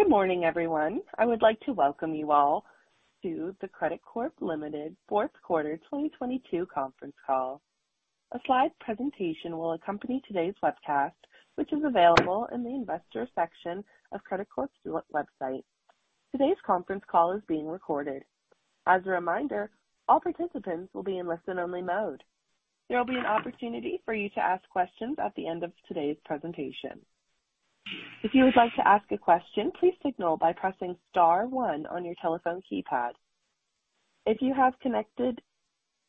Good morning, everyone. I would like to welcome you all to the Credicorp Ltd. Fourth Quarter 2022 Conference Call. A slide presentation will accompany today's webcast, which is available in the investor section of Credicorp's website. Today's conference call is being recorded. As a reminder, all participants will be in listen-only mode. There will be an opportunity for you to ask questions at the end of today's presentation. If you would like to ask a question, please signal by pressing star one on your telephone keypad. If you have connected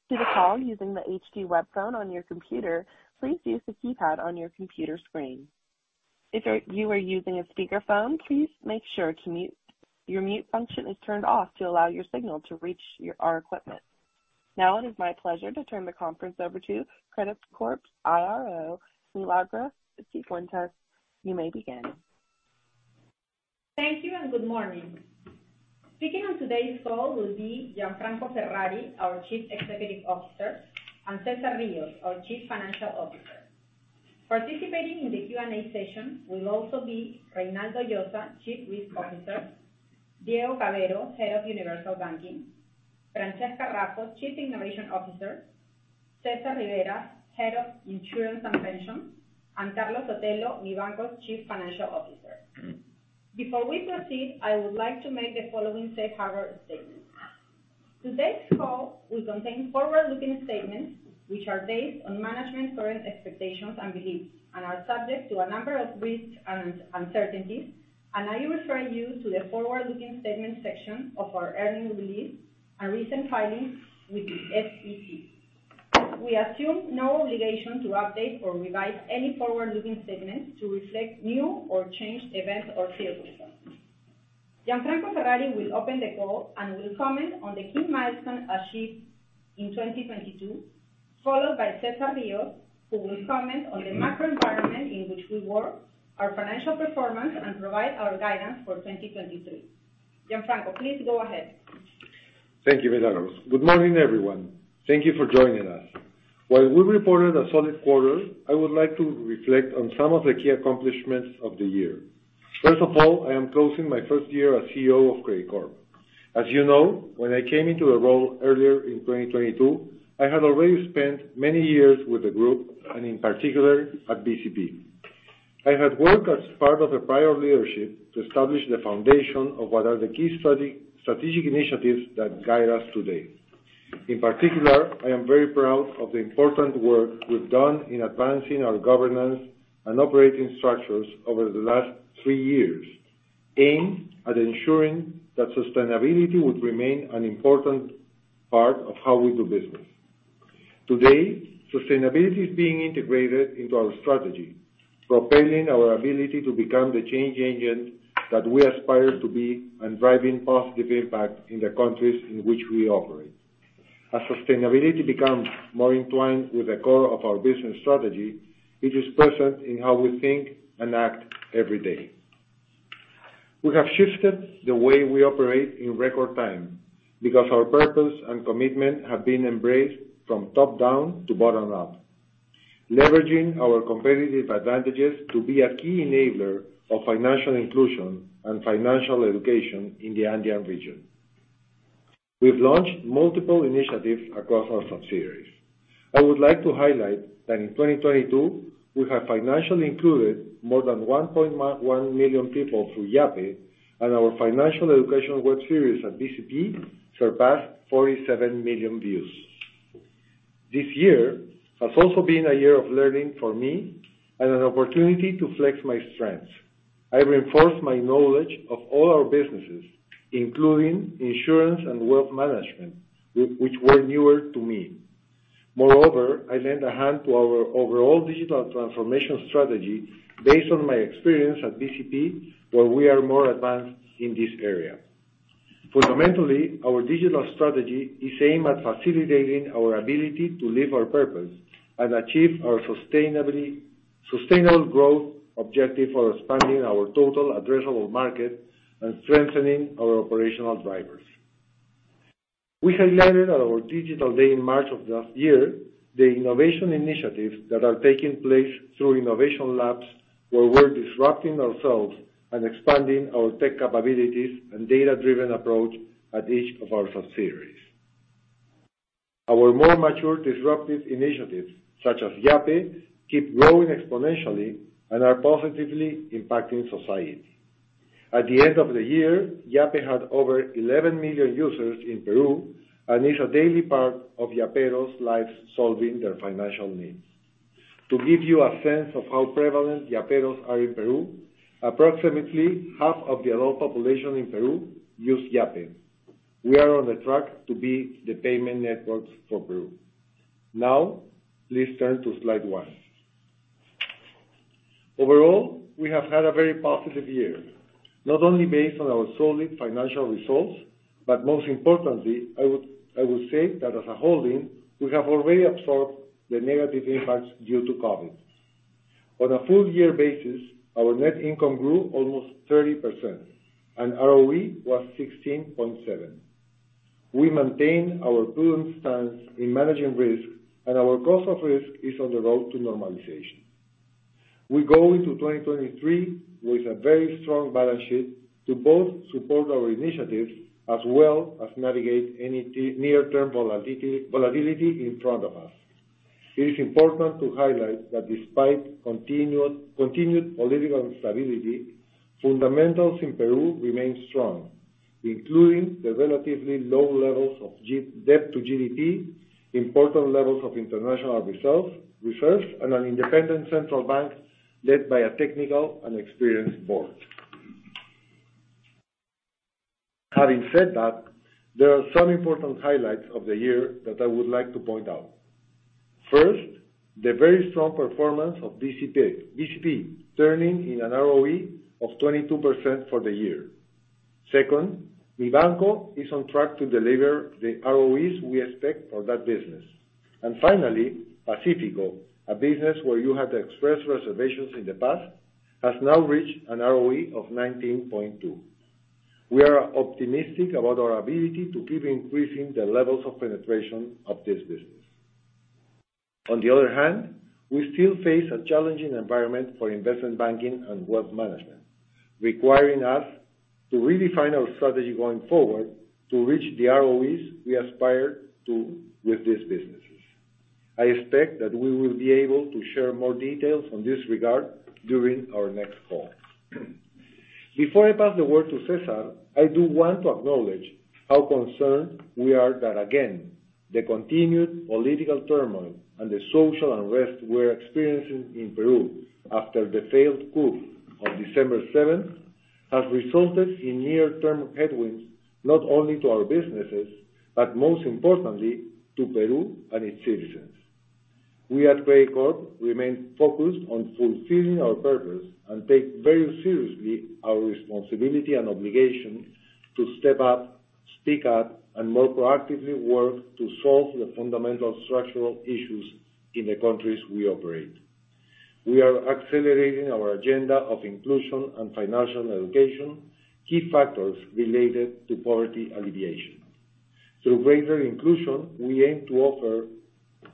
to the call using the HD web phone on your computer, please use the keypad on your computer screen. If you are using a speakerphone, please make sure Your mute function is turned off to allow your signal to reach our equipment. Now it is my pleasure to turn the conference over to Credicorp's IRO, Milagros Cifuentes. You may begin. Thank you and good morning speaking on today's call will be Gianfranco Ferrari, our Chief Executive Officer, and Cesar Rios, our Chief Financial Officer. Participating in the Q&A session will also be Reynaldo Llosa, Chief Risk Officer, Diego Cavero, Head of Universal Banking, Francesca Raffo, Chief Innovation Officer, Cesar Rivera, Head of Insurance and Pension, and Carlos Sotelo, Mi Banco's Chief Financial Officer. Before we proceed, I would like to make the following safe harbor statement. Today's call will contain forward-looking statements which are based on management's current expectations and beliefs and are subject to a number of risks and uncertainties, and I refer you to the forward-looking statements section of our annual release and recent filings with the SEC. We assume no obligation to update or revise any forward-looking statements to reflect new or changed events or circumstances. Gianfranco Ferrari will open the call and will comment on the key milestones achieved in 2022, followed by Cesar Rios, who will comment on the macro environment in which we work, our financial performance, and provide our guidance for 2023. Gianfranco, please go ahead. Thank you Milagros good morning everyone thank you for joining us. While we reported a solid quarter, I would like to reflect on some of the key accomplishments of the year. First of all, I am closing my first year as CEO of Credicorp. As you know, when I came into the role earlier in 2022, I had already spent many years with the group, and in particular, at BCP. I had worked as part of the prior leadership to establish the foundation of what are the key strategic initiatives that guide us today. In particular, I am very proud of the important work we've done in advancing our governance and operating structures over the last three years, aimed at ensuring that sustainability would remain an important part of how we do business. Today, sustainability is being integrated into our strategy, propelling our ability to become the change agent that we aspire to be and driving positive impact in the countries in which we operate. As sustainability becomes more entwined with the core of our business strategy, it is present in how we think and act every day. We have shifted the way we operate in record time because our purpose and commitment have been embraced from top-down to bottom-up, leveraging our competitive advantages to be a key enabler of financial inclusion and financial education in the Andean region. We've launched multiple initiatives across our subsidiaries. I would like to highlight that in 2022, we have financially included more than 1.1 million people through Yape, and our financial educational web series at BCP surpassed 47 million views. This year has also been a year of learning for me and an opportunity to flex my strengths. I reinforced my knowledge of all our businesses, including insurance and wealth management, which were newer to me. Moreover, I lent a hand to our overall digital transformation strategy based on my experience at BCP, where we are more advanced in this area. Fundamentally, our digital strategy is aimed at facilitating our ability to live our purpose and achieve our sustainable growth objective for expanding our total addressable market and strengthening our operational drivers. We highlighted at our digital day in March of last year, the innovation initiatives that are taking place through innovation labs, where we're disrupting ourselves and expanding our tech capabilities and data-driven approach at each of our subsidiaries. Our more mature disruptive initiatives, such as Yape, keep growing exponentially and are positively impacting society. At the end of the year, Yape had over 11 million users in Peru and is a daily part of Yaperos' lives solving their financial needs. To give you a sense of how prevalent Yaperos are in Peru, approximately half of the adult population in Peru use Yape. We are on the track to be the payment network for Peru. Please turn to slide one. Overall, we have had a very positive year, not only based on our solid financial results, but most importantly, I would say that as a holding, we have already absorbed the negative impacts due to COVID. On a full year basis, our net income grew almost 30%, and ROE was 16.7. We maintain our prudent stance in managing risk, and our cost of risk is on the road to normalization. We go into 2023 with a very strong balance sheet to both support our initiatives as well as navigate any near-term volatility in front of us. It is important to highlight that despite continued political instability, fundamentals in Peru remain strong, including the relatively low levels of debt to GDP, important levels of international reserves, and an independent central bank led by a technical and experienced board. Having said that, there are some important highlights of the year that I would like to point out. First, the very strong performance of BCP, turning in an ROE of 22% for the year. Second, Mi Banco is on track to deliver the ROEs we expect for that business. Finally, Pacifico, a business where you had expressed reservations in the past, has now reached an ROE of 19.2%. We are optimistic about our ability to keep increasing the levels of penetration of this business. On the other hand, we still face a challenging environment for investment banking and wealth management, requiring us to redefine our strategy going forward to reach the ROEs we aspire to with these businesses. I expect that we will be able to share more details on this regard during our next call. Before I pass the word to Cesar, I do want to acknowledge how concerned we are that, again, the continued political turmoil and the social unrest we're experiencing in Peru after the failed coup of December 7th, has resulted in near-term headwinds, not only to our businesses, but most importantly, to Peru and its citizens. We at Credicorp remain focused on fulfilling our purpose and take very seriously our responsibility and obligation to step up, speak up, and more proactively work to solve the fundamental structural issues in the countries we operate. We are accelerating our agenda of inclusion and financial education, key factors related to poverty alleviation. Through greater inclusion, we aim to offer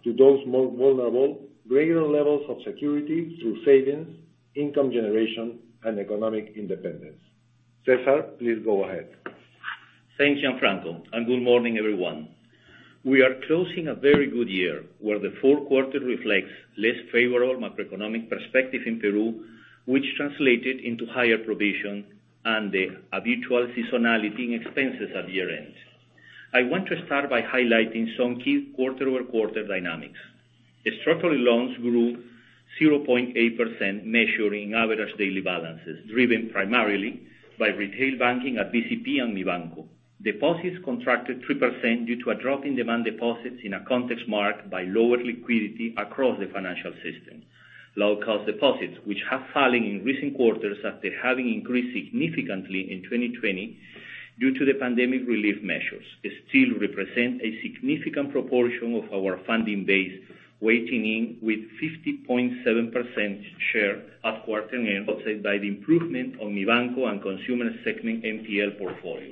to those more vulnerable greater levels of security through savings, income generation, and economic independence. Cesar, please go ahead. Thanks Gianfranco good morning everyone we are closing a very good year where the fourth quarter reflects less favorable macroeconomic perspective in Peru, which translated into higher provision and the habitual seasonality in expenses at year-end. I want to start by highlighting some key quarter-over-quarter dynamics. Structural loans grew 0.8%, measuring average daily balances, driven primarily by retail banking at BCP and Mi Banco. Deposits contracted 3% due to a drop in demand deposits in a context marked by lower liquidity across the financial system. Low cost deposits, which have fallen in recent quarters after having increased significantly in 2020 due to the pandemic relief measures, still represent a significant proportion of our funding base, weighting in with 50.7% share at quarter-end, offset by the improvement on Mi Banco and consumer segment NPL portfolio.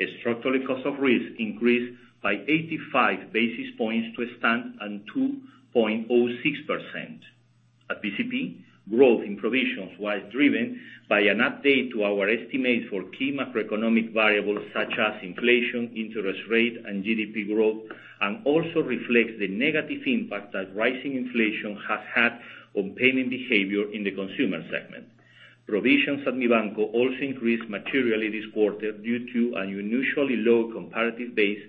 A structural cost of risk increased by 85 basis points to a stand at 2.06%. At BCP, growth in provisions was driven by an update to our estimate for key macroeconomic variables such as inflation, interest rate, and GDP growth, and also reflects the negative impact that rising inflation has had on payment behavior in the consumer segment. Provisions at Mi Banco also increased materially this quarter due to an unusually low comparative base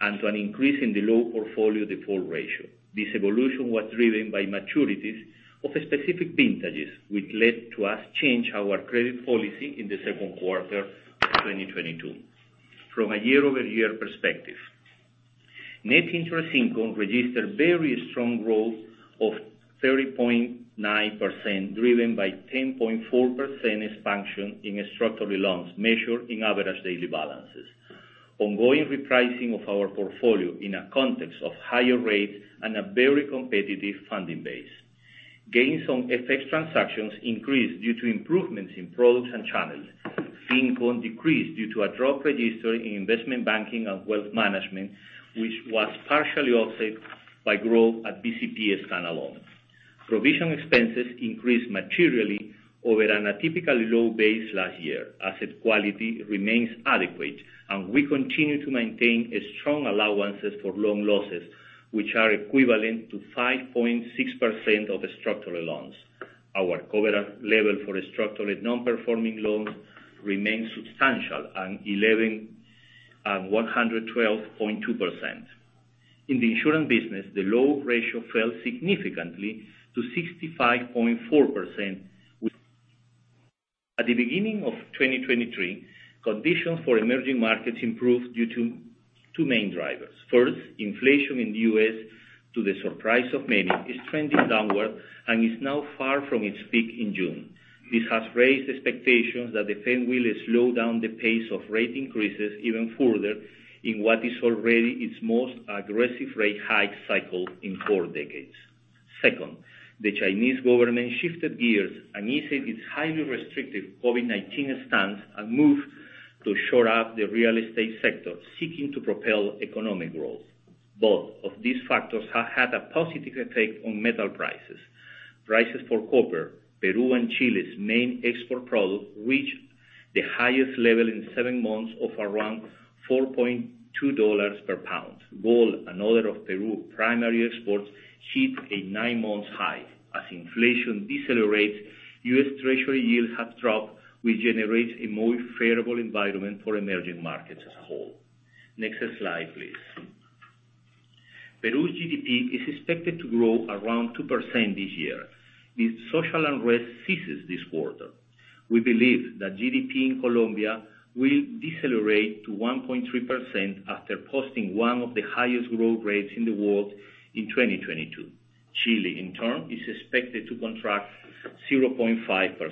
and to an increase in the low portfolio default ratio. This evolution was driven by maturities of a specific vintages, which led to us change our credit policy in the second quarter of 2022. From a year-over-year perspective, net interest income registered very strong growth of 30.9%, driven by 10.4% expansion in structural loans measured in average daily balances. Ongoing repricing of our portfolio in a context of higher rates and a very competitive funding base. Gains on FX transactions increased due to improvements in products and channels. Fee income decreased due to a drop registered in investment banking and wealth management, which was partially offset by growth at BCP Stand-alone. Provision expenses increased materially over an atypically low base last year. Asset quality remains adequate, and we continue to maintain a strong allowances for loan losses, which are equivalent to 5.6% of the structural loans. Our coverage level for structural and non-performing loans remains substantial at 112.2%. In the insurance business, the low ratio fell significantly to 65.4%. At the beginning of 2023, conditions for emerging markets improved due to two main drivers. First, inflation in the U.S., to the surprise of many, is trending downward and is now far from its peak in June. This has raised expectations that the Fed will slow down the pace of rate increases even further in what is already its most aggressive rate hike cycle in four decades. The Chinese government shifted gears and eased its highly restrictive COVID-19 stance and moved to shore up the real estate sector, seeking to propel economic growth. Both of these factors have had a positive effect on metal prices. Prices for copper, Peru and Chile's main export product, reached the highest level in seven months of around $4.2 per pound. Gold, another of Peru primary exports, hit a nine-month high. As inflation decelerates, U.S. Treasury yields have dropped, which generates a more favorable environment for emerging markets as a whole. Next slide, please. Peru's GDP is expected to grow around 2% this year if social unrest ceases this quarter. We believe that GDP in Colombia will decelerate to 1.3% after posting one of the highest growth rates in the world in 2022. Chile, in turn, is expected to contract 0.5%.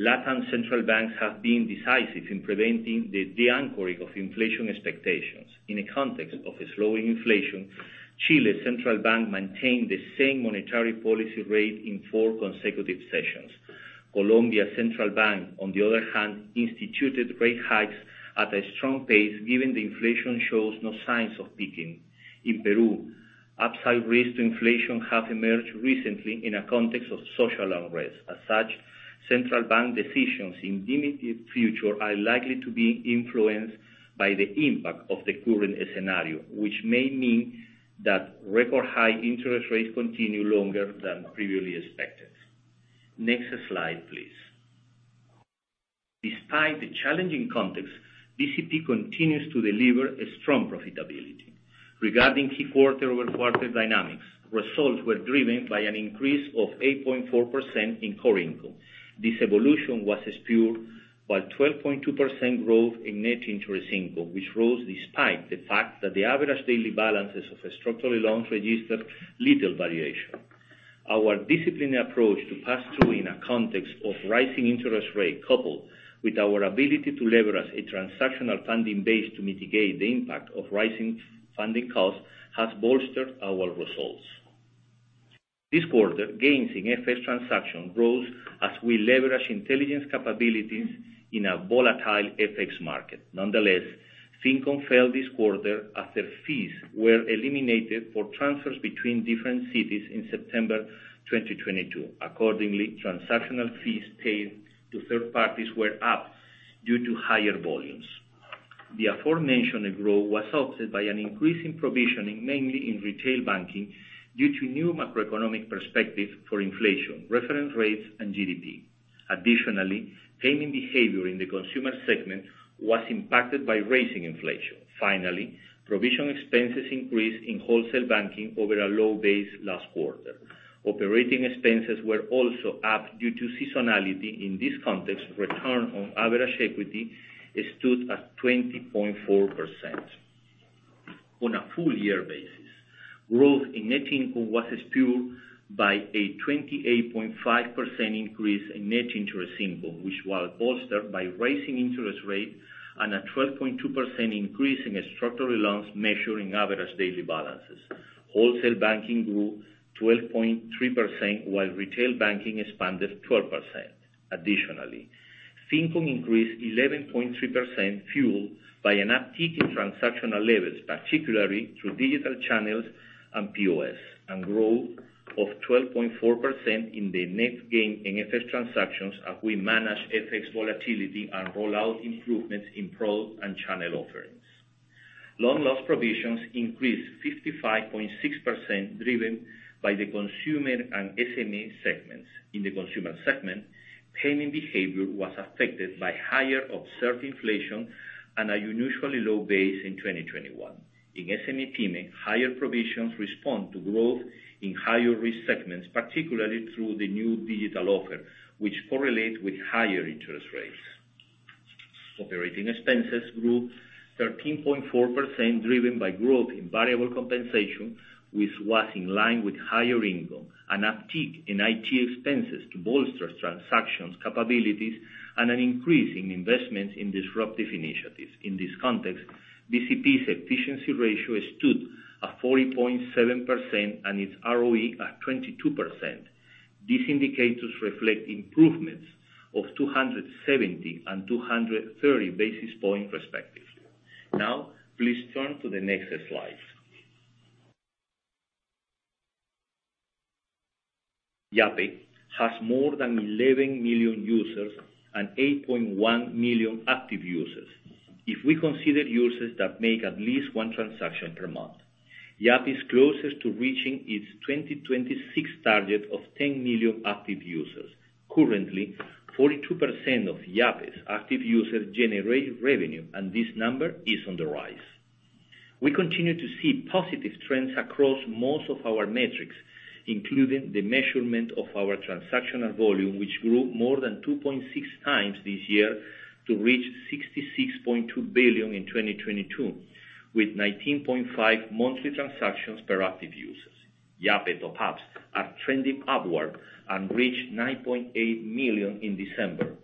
Latin central banks have been decisive in preventing the deanchoring of inflation expectations. In the context of a slowing inflation, Chile Central Bank maintained the same monetary policy rate in four consecutive sessions. Colombia Central Bank, on the other hand, instituted rate hikes at a strong pace given the inflation shows no signs of peaking. In Peru, upside risks to inflation have emerged recently in a context of social unrest. As such, central bank decisions in the immediate future are likely to be influenced by the impact of the current scenario, which may mean that record high interest rates continue longer than previously expected. Next slide, please. Despite the challenging context, BCP continues to deliver a strong profitability. Regarding key quarter-over-quarter dynamics, results were driven by an increase of 8.4% in core income. This evolution was spewed by 12.2% growth in net interest income, which rose despite the fact that the average daily balances of structural loans registered little variation. Our disciplined approach to pass-through in a context of rising interest rate, coupled with our ability to leverage a transactional funding base to mitigate the impact of rising funding costs, has bolstered our results. This quarter, gains in FX transaction grows as we leverage intelligence capabilities in a volatile FX market. Fincom failed this quarter after fees were eliminated for transfers between different cities in September 2022. Accordingly, transactional fees paid to third parties were up due to higher volumes. The aforementioned growth was offset by an increase in provisioning, mainly in retail banking, due to new macroeconomic perspective for inflation, reference rates, and GDP. Additionally, payment behavior in the consumer segment was impacted by raising inflation. Finally, provision expenses increased in wholesale banking over a low base last quarter. Operating expenses were also up due to seasonality. In this context, return on average equity stood at 20.4%. On a full year basis, growth in net income was spewed by a 28.5% increase in net interest income, which was bolstered by rising interest rate and a 12.2% increase in structural loans measuring average daily balances. Wholesale banking grew 12.3%, while retail banking expanded 12%. Additionally, Fincom increased 11.3%, fueled by an uptick in transactional levels, particularly through digital channels and POS, and growth of 12.4% in the net gain in FX transactions as we manage FX volatility and roll out improvements in product and channel offerings. Loan loss provisions increased 55.6%, driven by the consumer and SME segments. In the consumer segment, payment behavior was affected by higher observed inflation and an unusually low base in 2021. In SME payment, higher provisions respond to growth in higher risk segments, particularly through the new digital offer, which correlate with higher interest rates. Operating expenses grew 13.4%, driven by growth in variable compensation, which was in line with higher income, an uptick in IT expenses to bolster transactions capabilities, and an increase in investments in disruptive initiatives. In this context, BCP's efficiency ratio stood at 40.7% and its ROE at 22%. These indicators reflect improvements of 270 and 230 basis points respectively. Please turn to the next slide. Yape has more than 11 million users and 8.1 million active users. If we consider users that make at least one transaction per month, Yape is closest to reaching its 2026 target of 10 million active users. Currently, 42% of Yape's active users generate revenue, and this number is on the rise. We continue to see positive trends across most of our metrics, including the measurement of our transactional volume, which grew more than 2.6x this year to reach PEN 66.2 billion in 2022, with 19.5 monthly transactions per active users. Yape top-ups are trending upward and reached PEN 9.8 million in December.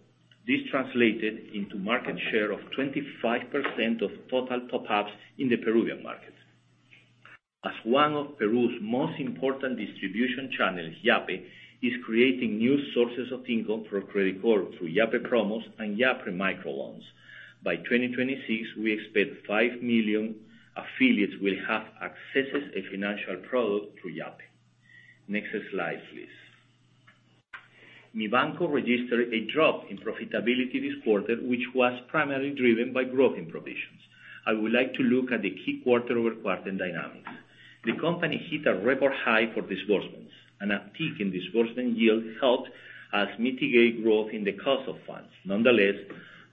This translated into market share of 25% of total top ups in the Peruvian market. As one of Peru's most important distribution channels, Yape, is creating new sources of income for Credicorp through Yape Promos and Yape Microloans. By 2026, we expect 5 million affiliates will have accesses a financial product through Yape. Next slide, please. Mi Banco registered a drop in profitability this quarter, which was primarily driven by growth in provisions. I would like to look at the key quarter-over-quarter dynamics. The company hit a record high for disbursements, and a peak in disbursement yield helped us mitigate growth in the cost of funds. Nonetheless,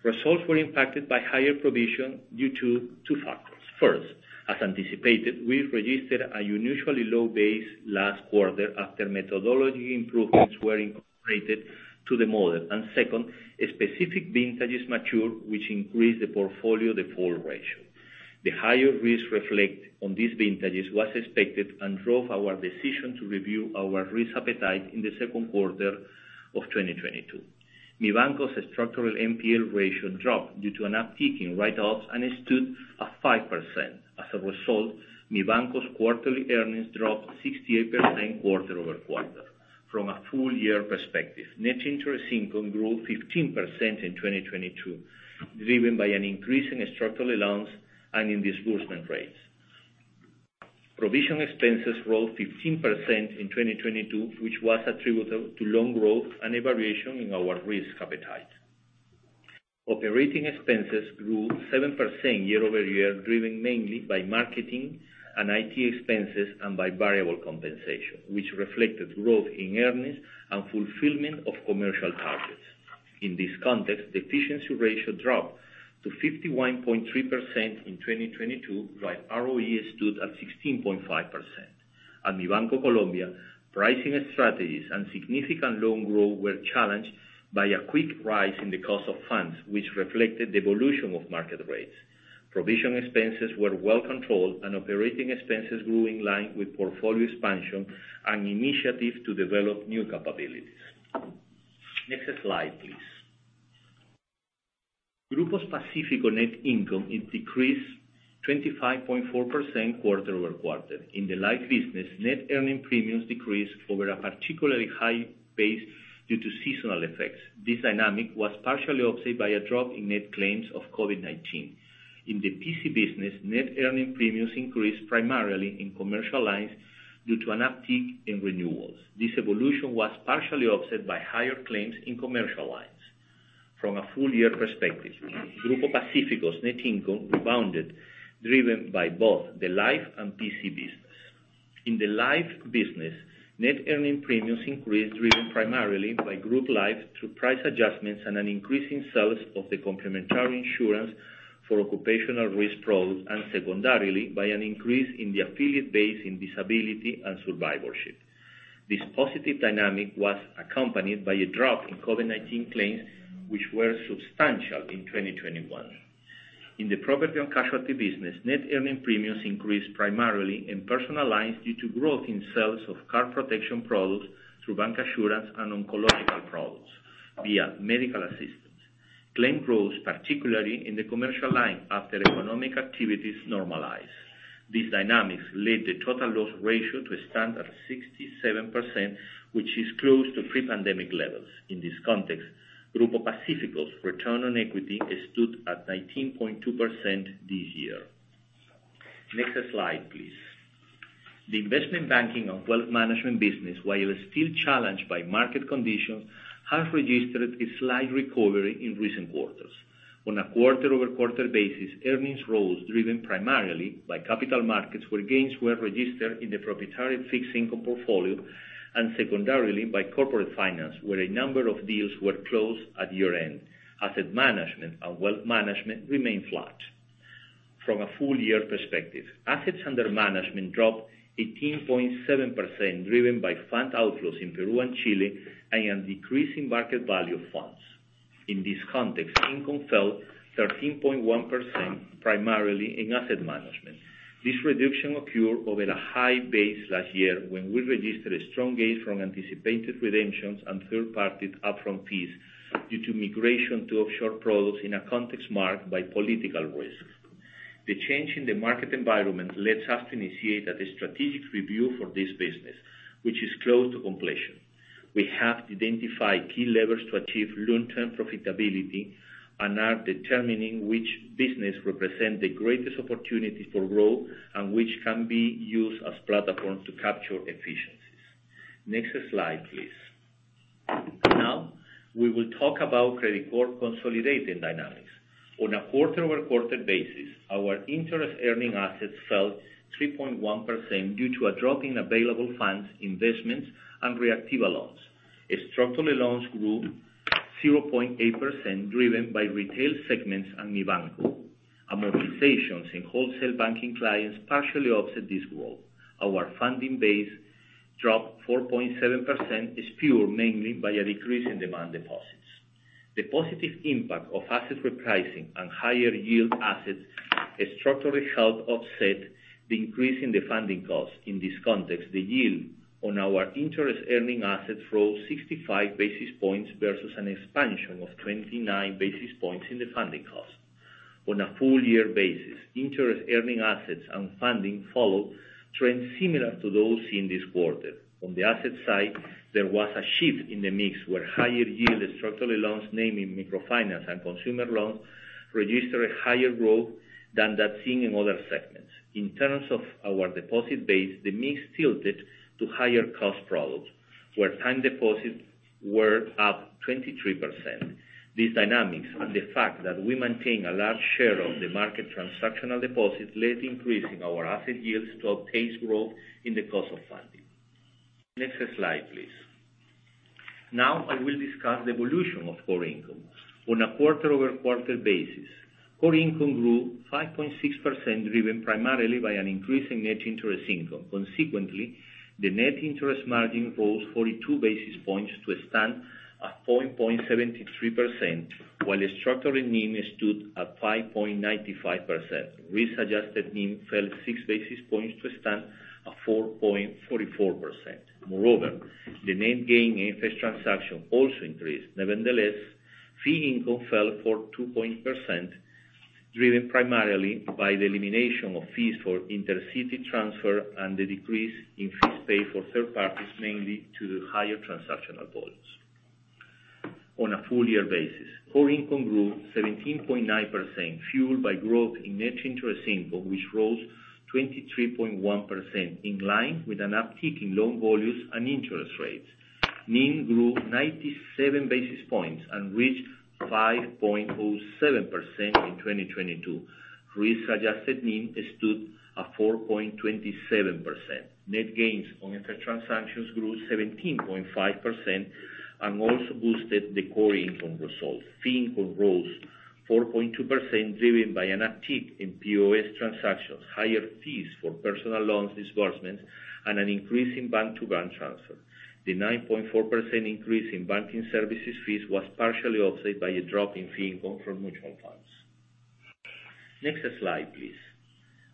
results were impacted by higher provision due to two factors. First, as anticipated, we've registered a unusually low base last quarter after methodology improvements were incorporated to the model. Second, a specific vintages matured, which increased the portfolio default ratio. The higher risk reflect on these vintages was expected and drove our decision to review our risk appetite in the second quarter of 2022. Mi Banco's structural NPL ratio dropped due to an uptick in write-offs, and it stood at 5%. As a result, Mi Banco's quarterly earnings dropped 68% quarter-over-quarter. From a full year perspective, net interest income grew 15% in 2022, driven by an increase in structural loans and in disbursement rates. Provision expenses rose 15% in 2022, which was attributable to loan growth and evaluation in our risk appetite. Operating expenses grew 7% year-over-year, driven mainly by marketing and IT expenses and by variable compensation, which reflected growth in earnings and fulfillment of commercial targets. In this context, the efficiency ratio dropped to 51.3% in 2022, while ROE stood at 16.5%. At Mi Banco Colombia, pricing strategies and significant loan growth were challenged by a quick rise in the cost of funds, which reflected the evolution of market rates. Provision expenses were well controlled. Operating expenses grew in line with portfolio expansion and initiative to develop new capabilities. Next slide, please. Grupo Pacifico net income, it decreased 25.4% quarter-over-quarter. In the life business, net earning premiums decreased over a particularly high base due to seasonal effects. This dynamic was partially offset by a drop in net claims of COVID-19. In the PC business, net earning premiums increased primarily in commercial lines due to an uptick in renewals. This evolution was partially offset by higher claims in commercial lines. From a full year perspective, Grupo Pacifico's net income rebounded, driven by both the life and PC business. In the life business, net earning premiums increased, driven primarily by group life through price adjustments and an increase in sales of the complementary insurance for occupational risk products, and secondarily by an increase in the affiliate base in disability and survivorship. This positive dynamic was accompanied by a drop in COVID-19 claims, which were substantial in 2021. In the property and casualty business, net earning premiums increased primarily in personalized due to growth in sales of car protection products through bancassurance and oncology products via medical assistance. Claim growth, particularly in the commercial line after economic activities normalized. These dynamics led the total loss ratio to a standard 67%, which is close to pre-pandemic levels. In this context, Grupo Pacifico's return on equity stood at 19.2% this year. Next slide, please. The investment banking and wealth management business, while still challenged by market conditions, has registered a slight recovery in recent quarters. On a quarter-over-quarter basis, earnings rose driven primarily by capital markets, where gains were registered in the proprietary fixed income portfolio, and secondarily by corporate finance, where a number of deals were closed at year-end. Asset management and wealth management remain flat. From a full year perspective, assets under management dropped 18.7%, driven by fund outflows in Peru and Chile, and a decrease in market value of funds. In this context, income fell 13.1%, primarily in asset management. This reduction occurred over a high base last year when we registered a strong gain from anticipated redemptions and third-party upfront fees due to migration to offshore products in a context marked by political risks. The change in the market environment led us to initiate a strategic review for this business, which is close to completion. We have identified key levers to achieve long-term profitability and are determining which business represent the greatest opportunities for growth and which can be used as platform to capture efficiencies. Next slide, please. We will talk about Credicorp consolidating dynamics. On a quarter-over-quarter basis, our interest earning assets fell 3.1% due to a drop in available funds, investments, and Reactiva loans. Structural loans grew 0.8%, driven by retail segments and Mi Banco. Amortizations in wholesale banking clients partially offset this growth. Our funding base dropped 4.7%, spurred mainly by a decrease in demand deposits. The positive impact of asset repricing and higher yield assets-A structural help offset the increase in the funding costs. In this context, the yield on our interest earning assets rose 65 basis points versus an expansion of 29 basis points in the funding cost. On a full year basis, interest earning assets and funding followed trends similar to those in this quarter. On the asset side, there was a shift in the mix where higher yield structural loans, namely microfinance and consumer loans, registered higher growth than that seen in other segments. In terms of our deposit base, the mix tilted to higher cost products, where time deposits were up 23%. These dynamics, and the fact that we maintain a large share of the market transactional deposits, led increase in our asset yields to outpace growth in the cost of funding. Next slide, please. I will discuss the evolution of core income. On a quarter-over-quarter basis, core income grew 5.6%, driven primarily by an increase in net interest income. The net interest margin rose 42 basis points to a stand at 4.73%, while the structural NIM stood at 5.95%. Risk-adjusted NIM fell 6 basis points to a stand of 4.44%. The net gain in interest transaction also increased. Fee income fell 4%, driven primarily by the elimination of fees for intercity transfer and the decrease in fees paid for third parties, mainly to the higher transactional volumes. On a full year basis, core income grew 17.9%, fueled by growth in net interest income, which rose 23.1%, in line with an uptick in loan volumes and interest rates. NIM grew 97 basis points and reached 5.07% in 2022. Risk-adjusted NIM stood at 4.27%. Net gains on interest transactions grew 17.5% and also boosted the core income results. Fee income rose 4.2% driven by an uptick in POS transactions, higher fees for personal loans disbursement, and an increase in bank-to-bank transfer. The 9.4% increase in banking services fees was partially offset by a drop in fee income from mutual funds. Next slide, please.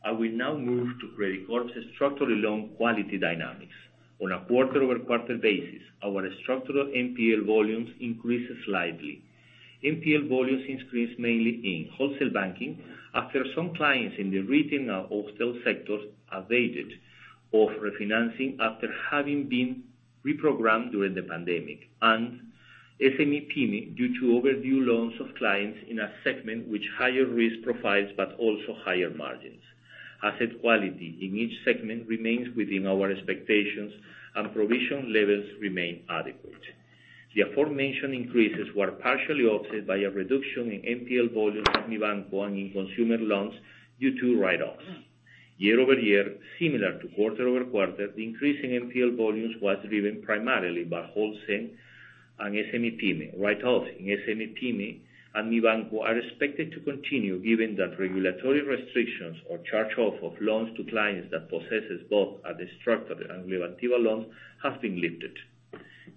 I will now move to Credicorp's structural loan quality dynamics. On a quarter-over-quarter basis, our structural NPL volumes increased slightly. NPL volumes increased mainly in wholesale banking after some clients in the retail and wholesale sectors avails of refinancing after having been reprogrammed during the pandemic. SME team, due to overdue loans of clients in a segment which higher risk profiles but also higher margins. Asset quality in each segment remains within our expectations and provision levels remain adequate. The aforementioned increases were partially offset by a reduction in NPL volumes at Mi Banco and in consumer loans due to write-offs. Year-over-year, similar to quarter-over-quarter, the increase in NPL volumes was driven primarily by wholesale and SME-Pyme. Write-offs in SME-Pyme and Mi Banco are expected to continue given that regulatory restrictions or charge-off of loans to clients that possesses both a structured and Reactiva loan have been lifted.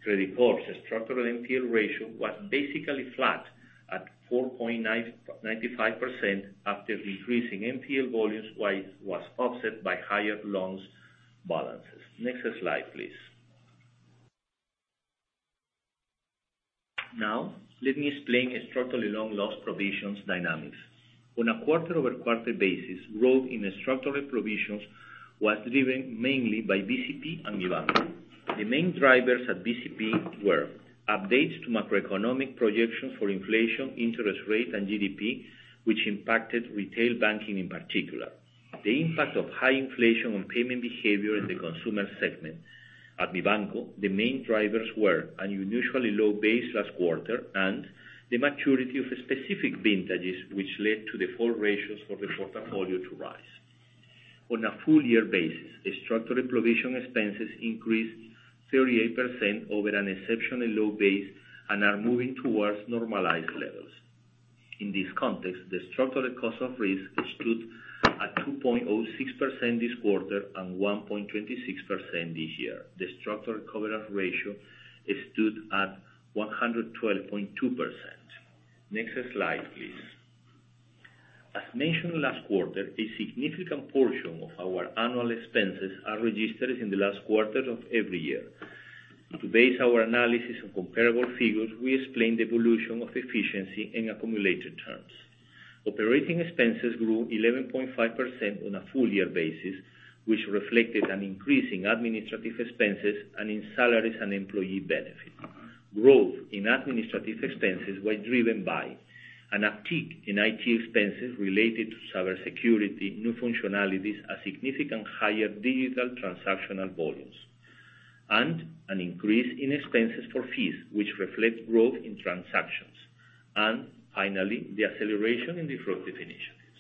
Credicorp's structural NPL ratio was basically flat at 4.95% after decreasing NPL volumes while it was offset by higher loans balances. Next slide, please. Let me explain structurally long lost provisions dynamics. On a quarter-over-quarter basis, growth in structural provisions was driven mainly by BCP and Mi Banco. The main drivers at BCP were updates to macroeconomic projections for inflation, interest rate, and GDP, which impacted retail banking in particular. The impact of high inflation on payment behavior in the consumer segment. At Mi Banco, the main drivers were unusually low base last quarter and the maturity of specific vintages which led to default ratios for the portfolio to rise. On a full year basis, the structural provision expenses increased 38% over an exceptionally low base and are moving towards normalized levels. In this context, the structural cost of risk stood at 2.06% this quarter and 1.26% this year. The structural coverage ratio stood at 112.2%. Next slide, please. As mentioned last quarter, a significant portion of our annual expenses are registered in the last quarter of every year. To base our analysis on comparable figures, we explain the evolution of efficiency in accumulated terms. Operating expenses grew 11.5% on a full year basis, which reflected an increase in administrative expenses and in salaries and employee benefits. Growth in administrative expenses were driven by an uptick in IT expenses related to cyber security, new functionalities, a significant higher digital transactional volumes, and an increase in expenses for fees, which reflect growth in transactions. Finally, the acceleration in disruptive initiatives.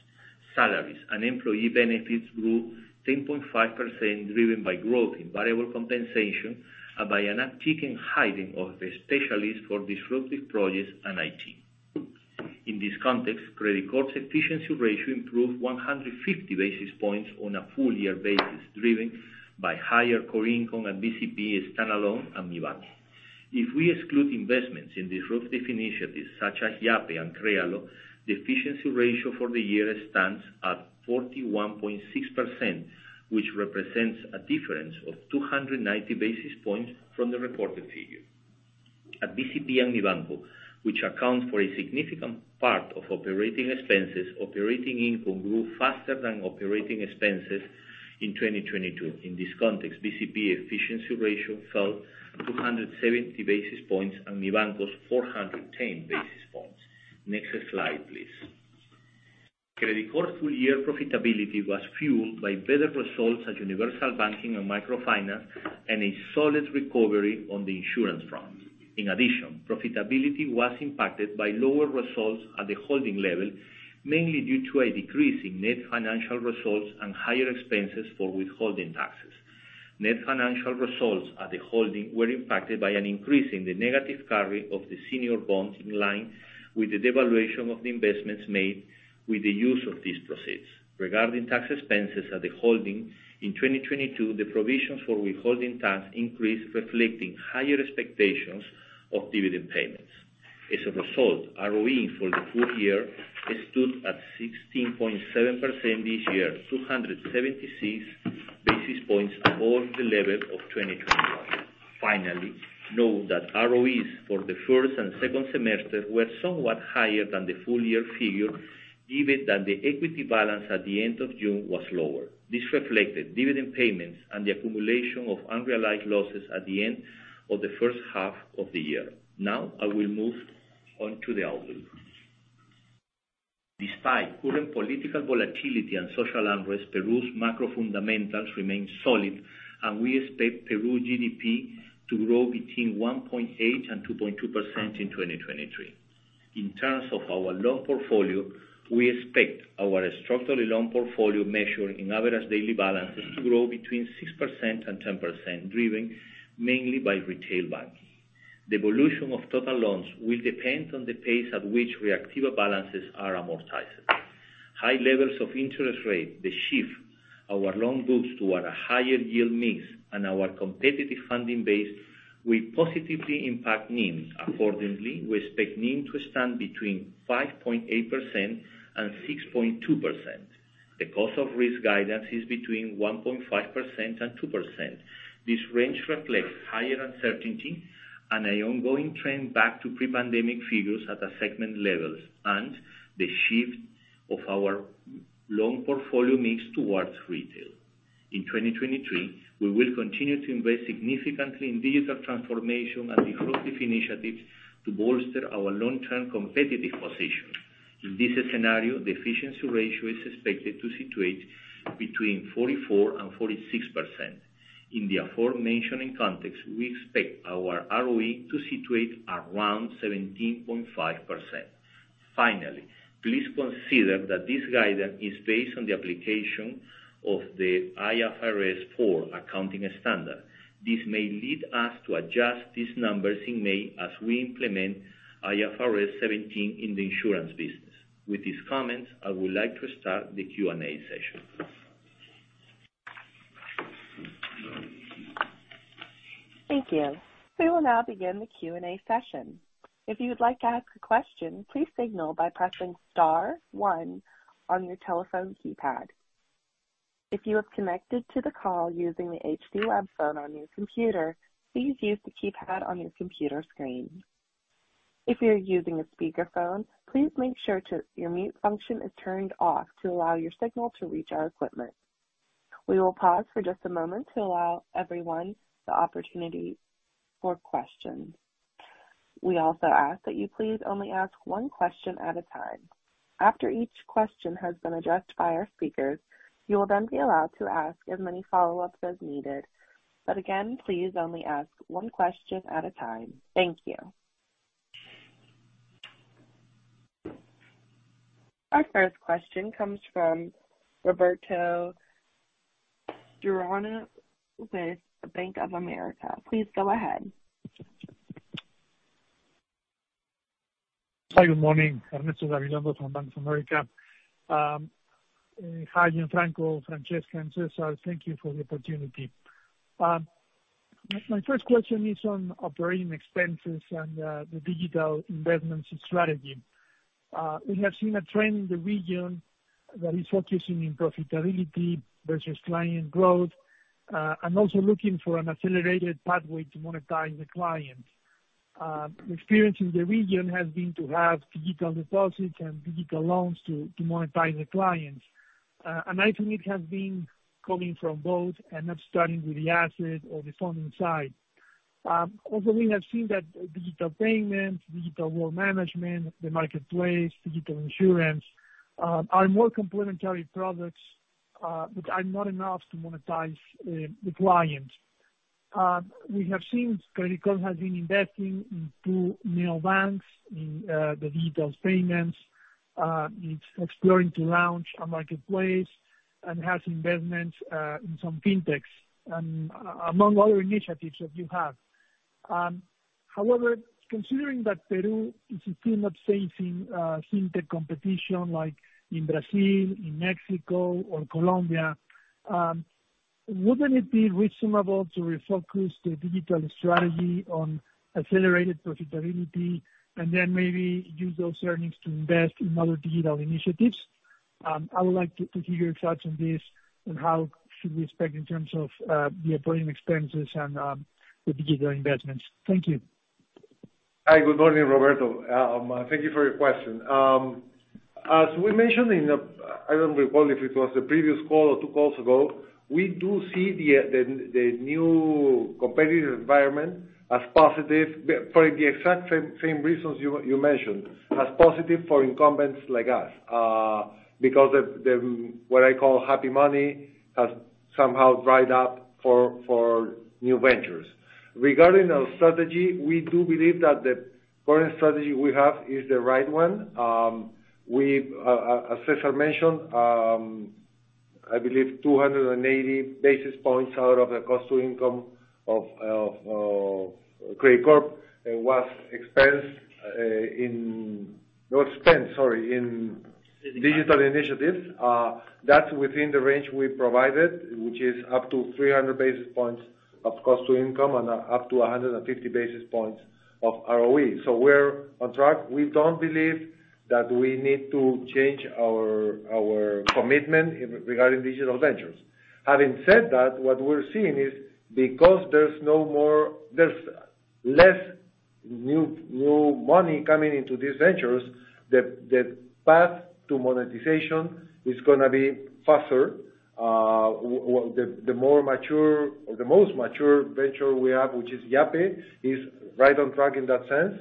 Salaries and employee benefits grew 10.5%, driven by growth in variable compensation and by an uptick in hiring of the specialists for disruptive projects and IT. In this context, Credicorp's efficiency ratio improved 150 basis points on a full year basis, driven by higher core income at BCP standalone and Mi Banco. If we exclude investments in disruptive initiatives such as Yape and Krealo, the efficiency ratio for the year stands at 41.6%, which represents a difference of 290 basis points from the reported figure. At BCP and Mi Banco, which account for a significant part of operating expenses, operating income grew faster than operating expenses in 2022. In this context, BCP efficiency ratio fell 270 basis points and Mi Banco's 410 basis points. Next slide, please. Credicorp's full year profitability was fueled by better results at Universal Banking and Microfinance and a solid recovery on the insurance front. Profitability was impacted by lower results at the holding level, mainly due to a decrease in net financial results and higher expenses for withholding taxes. Net financial results at the holding were impacted by an increase in the negative carry of the senior bonds, in line with the devaluation of the investments made with the use of these proceeds. Regarding tax expenses at the holding, in 2022, the provisions for withholding tax increased, reflecting higher expectations of dividend payments. ROE for the full year stood at 16.7% this year, 276 basis points above the level of 2021. Note that ROEs for the first and second semester were somewhat higher than the full year figure, given that the equity balance at the end of June was lower. This reflected dividend payments and the accumulation of unrealized losses at the end of the first half of the year. I will move on to the outlook. Despite current political volatility and social unrest, Peru's macro fundamentals remain solid and we expect Peru GDP to grow between 1.8% and 2.2% in 2023. In terms of our loan portfolio, we expect our structural loan portfolio measure in average daily balances to grow between 6% and 10%, driven mainly by retail banking. The evolution of total loans will depend on the pace at which Reactiva balances are amortized. High levels of interest rate, the shift our loan books toward a higher yield mix, and our competitive funding base will positively impact NIM. Accordingly, we expect NIM to stand between 5.8% and 6.2%. The cost of risk guidance is between 1.5% and 2%. This range reflects higher uncertainty and an ongoing trend back to pre-pandemic figures at a segment level and the shift of our loan portfolio mix towards retail. In 2023, we will continue to invest significantly in digital transformation and disruptive initiatives to bolster our long-term competitive position. In this scenario, the efficiency ratio is expected to situate between 44% and 46%. In the aforementioned context, we expect our ROE to situate around 17.5%. Please consider that this guidance is based on the application of the IFRS 4 accounting standard. This may lead us to adjust these numbers in May as we implement IFRS 17 in the insurance business. With these comments, I would like to start the Q&A session. Thank you. We will now begin the Q&A session. If you would like to ask a question, please signal by pressing star one on your telephone keypad. If you have connected to the call using the HD web phone on your computer, please use the keypad on your computer screen. If you're using a speakerphone, please make sure your mute function is turned off to allow your signal to reach our equipment. We will pause for just a moment to allow everyone the opportunity for questions. We also ask that you please only ask one question at a time. After each question has been addressed by our speakers, you will then be allowed to ask as many follow-ups as needed. Again, please only ask one question at a time. Thank you. Our first question comes from Roberto Gerona with the Bank of America. Please go ahead. Hi good morning Ernesto Gabilondo from Bank of America. Hi Gianfranco, Francesca and Cesar thank you for the opportunity. My first question is on operating expenses and the digital investments strategy. We have seen a trend in the region that is focusing in profitability versus client growth, and also looking for an accelerated pathway to monetize the clients. The experience in the region has been to have digital deposits and digital loans to monetize the clients. I think it has been coming from both and not starting with the asset or the funding side. Also we have seen that digital payments, digital wealth management, the marketplace, digital insurance, are more complementary products, but are not enough to monetize the clients. We have seen Credicorp has been investing in two neobanks, in the digital payments. It's exploring to launch a marketplace and has investments in some fintechs among other initiatives that you have. However, considering that Peru is still not facing fintech competition like in Brazil, Mexico or Colombia, wouldn't it be reasonable to refocus the digital strategy on accelerated profitability and then maybe use those earnings to invest in other digital initiatives? I would like to hear your thoughts on this and how should we expect in terms of the operating expenses and the digital investments. Thank you. Hi good morning Roberto thank you for your question. As we mentioned in the... I don't recall if it was the previous call or two calls ago, we do see the new competitive environment as positive, but for the exact same reasons you mentioned, as positive for incumbents like us, because the what I call happy money has somehow dried up for new ventures. Regarding our strategy, we do believe that the current strategy we have is the right one. We as Cesar mentioned, I believe 280 basis points out of the cost to income of Credicorp, it was expensed, not spent, sorry, in digital initiatives. That's within the range we provided, which is up to 300 basis points of cost to income and up to 150 basis points of ROE. We're on track. We don't believe that we need to change our commitment in, regarding digital ventures. Having said that, what we're seeing is because there's less new money coming into these ventures, the path to monetization is gonna be faster. The more mature or the most mature venture we have, which is Yape, is right on track in that sense.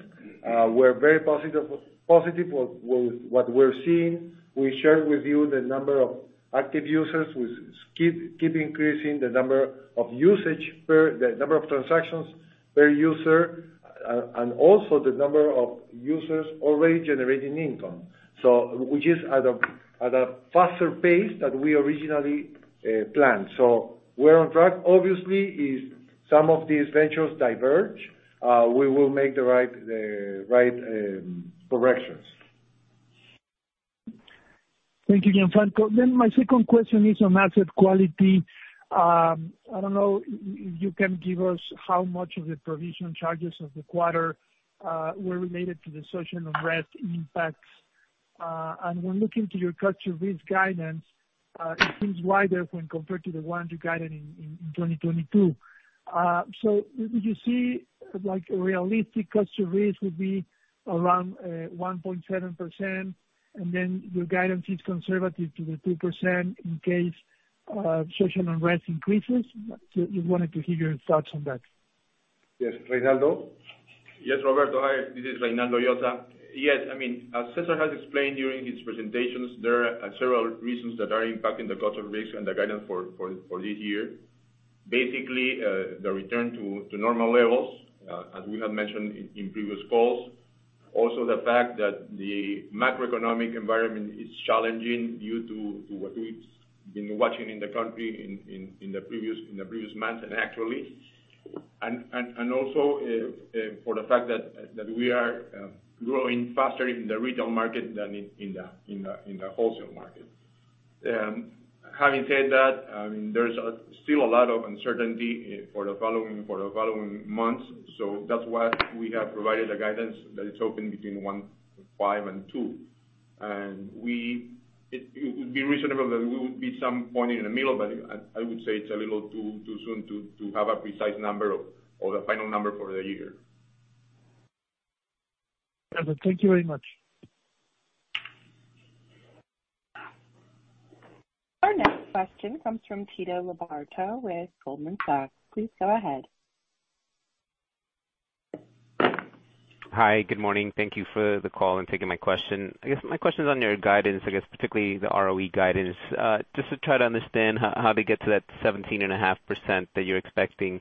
We're very positive with what we're seeing. We shared with you the number of active users, which keep increasing, the number of transactions per user, and also the number of users already generating income, so. Which is at a faster pace than we originally planned. We're on track. Obviously, if some of these ventures diverge, we will make the right corrections. Thank you again Franco my second question is on asset quality. I don't know if you can give us how much of the provision charges of the quarter were related to the social unrest impacts. When looking to your cost of risk guidance, it seems wider when compared to the one you guided in 2022. Would you see a realistic cost of risk would be around 1.7%, and then your guidance is conservative to the 2% in case social unrest increases? Just wanted to hear your thoughts on that. Yes. Reynaldo? Yes Roberto hi this is Reynaldo Llosa. Yes. I mean, as Cesar has explained during his presentations, there are several reasons that are impacting the cost of risk and the guidance for this year. Basically, the return to normal levels, as we have mentioned in previous calls. Also, the fact that the macroeconomic environment is challenging due to what we've been watching in the country in the previous months and actually. For the fact that we are growing faster in the retail market than in the wholesale market. Having said that, I mean, there's still a lot of uncertainty for the following months. That's why we have provided a guidance that is open between 1.5% and 2%. It would be reasonable that we would be some point in the middle, I would say it's a little too soon to have a precise number of or the final number for the year. Thank you very much. Our next question comes from Tito Labarta with Goldman Sachs. Please go ahead. Hi good morning thank you for the call and taking my question. I guess my question is on your guidance, I guess particularly the ROE guidance. just to try to understand how to get to that 17.5% that you're expecting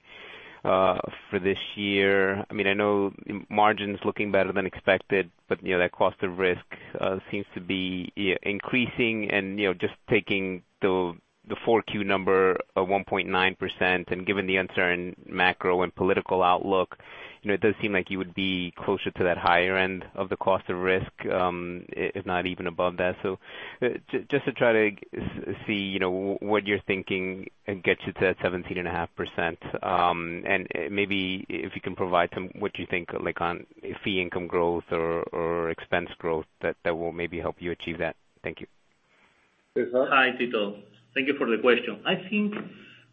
for this year. I mean, I know margin's looking better than expected, but, you know, that cost of risk seems to be increasing. you know, just taking the 4Q number of 1.9%, and given the uncertain macro and political outlook, you know, it does seem like you would be closer to that higher end of the cost of risk, if not even above that. just to try to see, you know, what you're thinking gets you to that 17.5%. Maybe if you can provide some, what you think, like, on fee income growth or expense growth that will maybe help you achieve that? Thank you. Cesar? Hi Tito thank you for the question I think,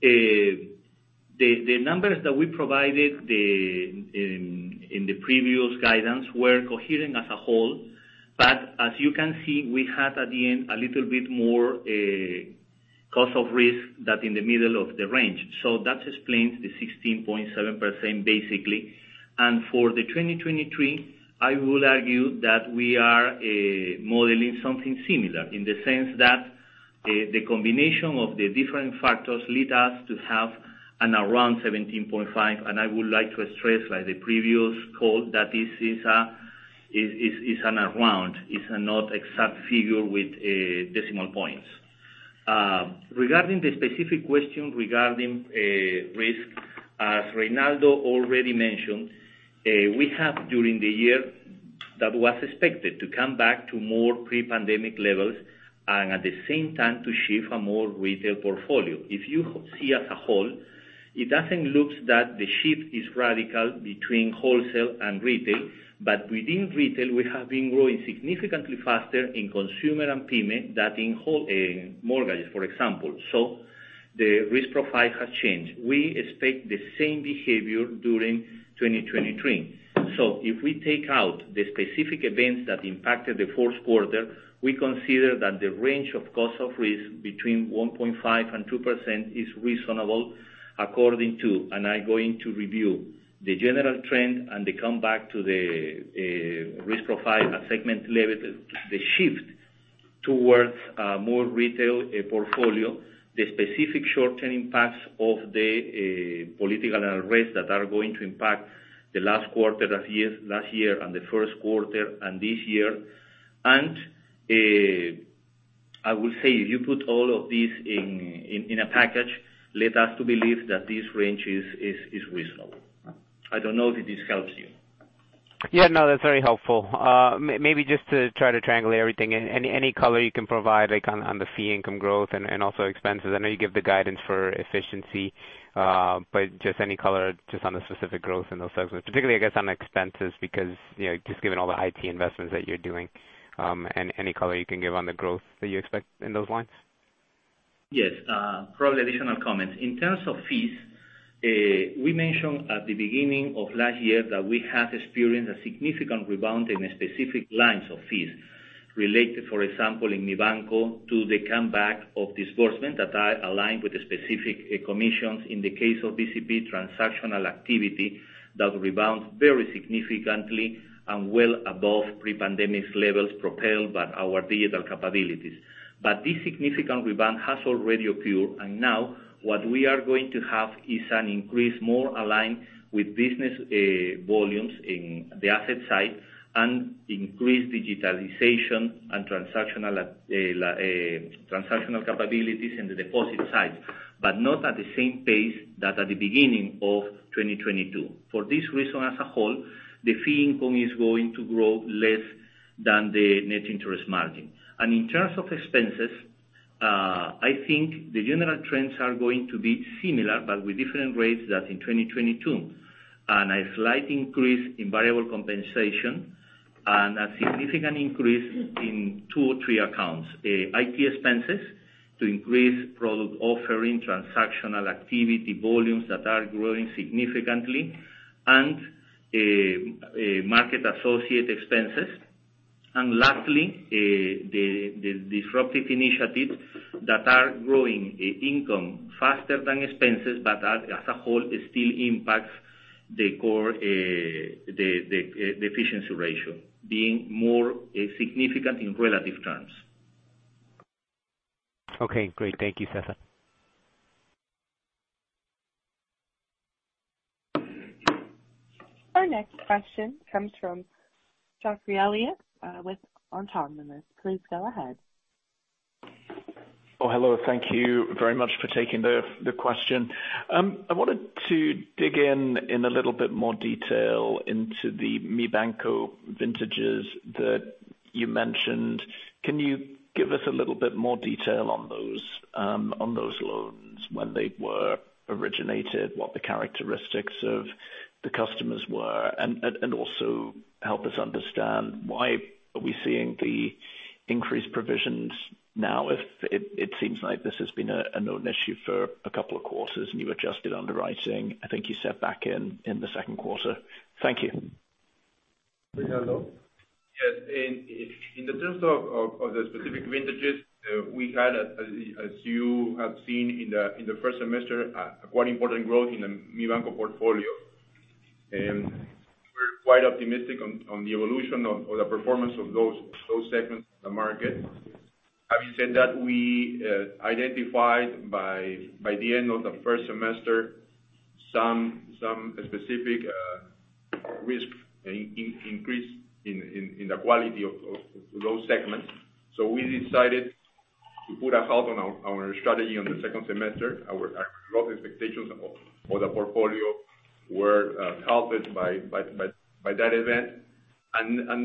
the numbers that we provided in the previous guidance were coherent as a whole, but as you can see, we had at the end, a little bit more, cost of risk that in the middle of the range. That explains the 16.7% basically. For 2023, I would argue that we are, modeling something similar, in the sense that, the combination of the different factors lead us to have an around 17.5%. I would like to stress, like the previous call, that this is an around, it's not exact figure with, decimal points. Regarding the specific question regarding, risk, as Reynaldo already mentioned, we have during the year- That was expected to come back to more pre-pandemic levels and at the same time to shift a more retail portfolio. If you see as a whole, it doesn't looks that the shift is radical between wholesale and retail, but within retail, we have been growing significantly faster in consumer and payment than in whole, mortgages, for example. The risk profile has changed. We expect the same behavior during 2023. If we take out the specific events that impacted the fourth quarter, we consider that the range of cost of risk between 1.5% and 2% is reasonable according to, and I'm going to review, the general trend and the come back to the risk profile at segment level, the shift towards more retail portfolio, the specific short-term impacts of the political unrest that are going to impact the last quarter of last year and the first quarter and this year. I will say if you put all of this in a package, lead us to believe that this range is reasonable. I don't know if this helps you. Yeah, no, that's very helpful. Maybe just to try to triangulate everything, any color you can provide, like, on the fee income growth and also expenses. I know you give the guidance for efficiency, but just any color on the specific growth in those segments. Particularly I guess, on expenses because, you know, just given all the IT investments that you're doing, any color you can give on the growth that you expect in those lines. Yes. Probably additional comments. In terms of fees, we mentioned at the beginning of last year that we have experienced a significant rebound in specific lines of fees related, for example, in Mi Banco, to the comeback of disbursement that are aligned with the specific commissions. In the case of BCP transactional activity, that rebounds very significantly and well above pre-pandemic levels propelled by our digital capabilities. This significant rebound has already occurred, and now what we are going to have is an increase more aligned with business volumes in the asset side and increased digitalization and transactional capabilities in the deposit side, but not at the same pace that at the beginning of 2022. For this reason as a whole, the fee income is going to grow less than the net interest margin. In terms of expenses, I think the general trends are going to be similar, but with different rates than in 2022. A slight increase in variable compensation and a significant increase in two or three accounts. IT expenses to increase product offering, transactional activity, volumes that are growing significantly and market associate expenses. Lastly, the disruptive initiatives that are growing income faster than expenses, but as a whole, it still impacts the core the efficiency ratio being more significant in relative terms. Okay, great. Thank you Cesar. Our next question comes from Geoffrey Elliott, with Autonomous Research. Please go ahead. Hello. Thank you very much for taking the question. I wanted to dig in a little bit more detail into the Mi Banco vintages that you mentioned. Can you give us a little bit more detail on those loans, when they were originated, what the characteristics of the customers were? Also help us understand why are we seeing the increased provisions now if it seems like this has been a known issue for a couple of quarters, and you adjusted underwriting, I think you said back in the second quarter. Thank you. Ricardo? Yes. In the terms of the specific vintages, we had as you have seen in the first semester, quite important growth in the Mi Banco portfolio. We're quite optimistic on the evolution of, or the performance of those segments of the market. Having said that, we identified by the end of the first semester some specific risk increase in the quality of those segments. We decided to put a halt on our strategy on the second semester. Our growth expectations of, for the portfolio were halted by that event.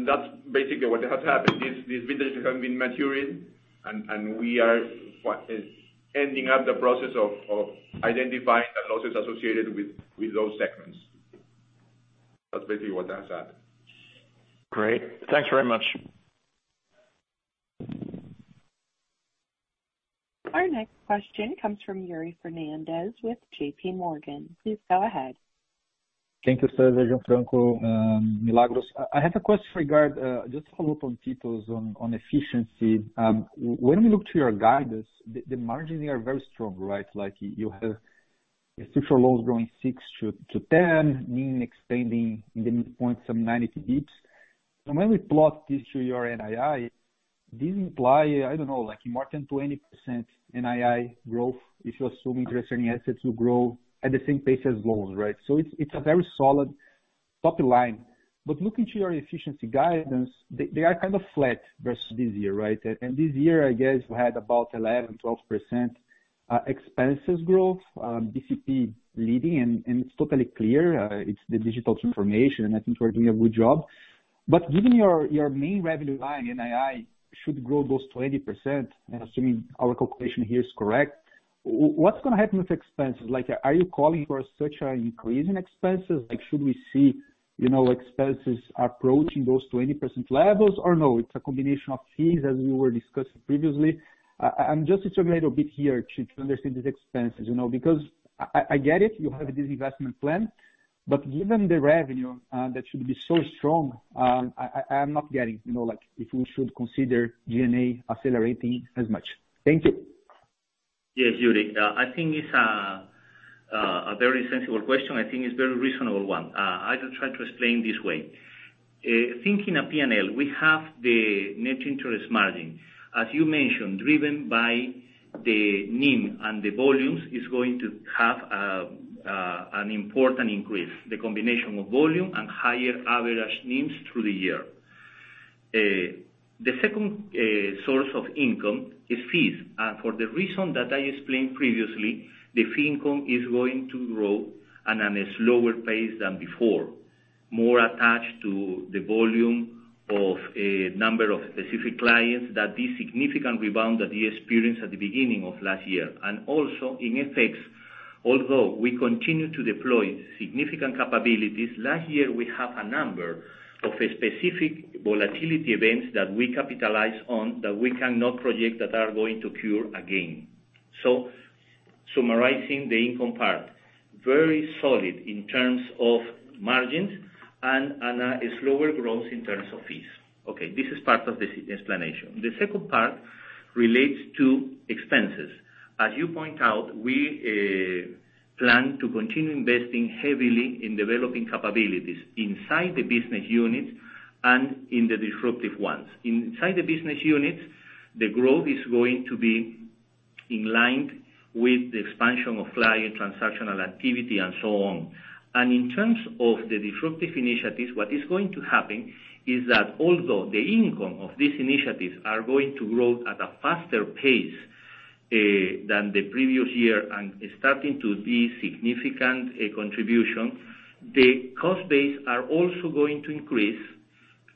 That's basically what has happened is these vintages have been maturing and we are ending up the process of identifying the losses associated with those segments. That's basically what has happened. Great. Thanks very much. Our next question comes from Yuri Fernandes with JP Morgan. Please go ahead. Thank you Cesar, Gianfranco, Milagros. I have a question just to follow up on Tito's on efficiency. When we look to your guidance, the margins are very strong, right? Like you have structural loans growing six to 10, meaning expanding in the midpoint some 90 basis points. When we plot this to your NII, this imply, I don't know, like more than 20% NII growth if you assume interest and assets will grow at the same pace as loans, right? It's a very solid top line. Looking to your efficiency guidance, they are kind of flat versus this year, right? This year, I guess you had about 11, 12% expenses growth, BCP leading, and it's totally clear, it's the digital transformation, and I think we're doing a good job. Given your main revenue line, NII, should grow those 20%, assuming our calculation here is correct, what's gonna happen with expenses? Are you calling for such an increase in expenses? Should we see, you know, expenses approaching those 20% levels or no, it's a combination of fees, as we were discussing previously? I'm just struggling a bit here to understand these expenses, you know, because I get it, you have this investment plan, but given the revenue that should be so strong, I'm not getting, you know, like if we should consider G&A accelerating as much. Thank you. Yes Yuri I think it's a very sensible question. I think it's very reasonable one. I will try to explain this way. Thinking of P&L, we have the net interest margin, as you mentioned, driven by the NIM and the volumes is going to have an important increase, the combination of volume and higher average NIMs through the year. The second source of income is fees, and for the reason that I explained previously, the fee income is going to grow at a slower pace than before, more attached to the volume of a number of specific clients that the significant rebound that you experienced at the beginning of last year. Also in FX, although we continue to deploy significant capabilities, last year we have a number of specific volatility events that we capitalize on that we cannot project that are going to occur again. Summarizing the income part, very solid in terms of margins and a slower growth in terms of fees. Okay, this is part of the explanation. The second part relates to expenses. As you point out, we plan to continue investing heavily in developing capabilities inside the business unit and in the disruptive ones. Inside the business units, the growth is going to be in line with the expansion of client transactional activity and so on. In terms of the disruptive initiatives, what is going to happen is that although the income of these initiatives are going to grow at a faster pace than the previous year and starting to be significant contribution, the cost base are also going to increase,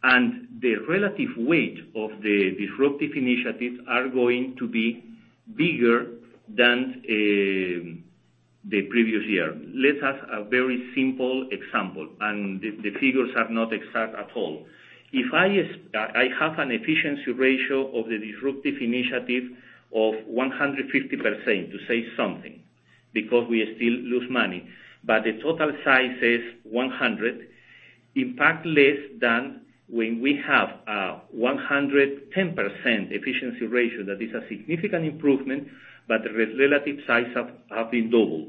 and the relative weight of the disruptive initiatives are going to be bigger than the previous year. Let's have a very simple example. The, the figures are not exact at all. If I have an efficiency ratio of the disruptive initiative of 100%, to say something, because we still lose money, the total size is 100, in fact less than when we have 110% efficiency ratio. That is a significant improvement. The relative size have been double.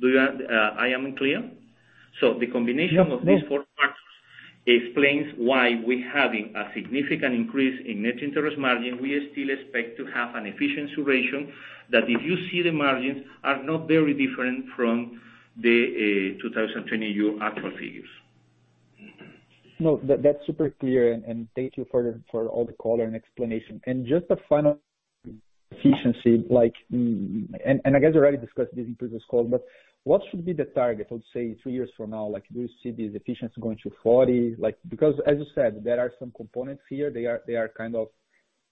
Do you I am clear? So the combination- Yeah. Of these four parts explains why we're having a significant increase in net interest margin. We still expect to have an efficiency ratio that if you see the margins are not very different from the 2020 actual figures. No, that's super clear and thank you for all the color and explanation. Just a final efficiency like. I guess you already discussed this in previous calls, but what should be the target, let's say three years from now? Like do you see the efficiency going to 40? Like, because as you said, there are some components here, they are kind of,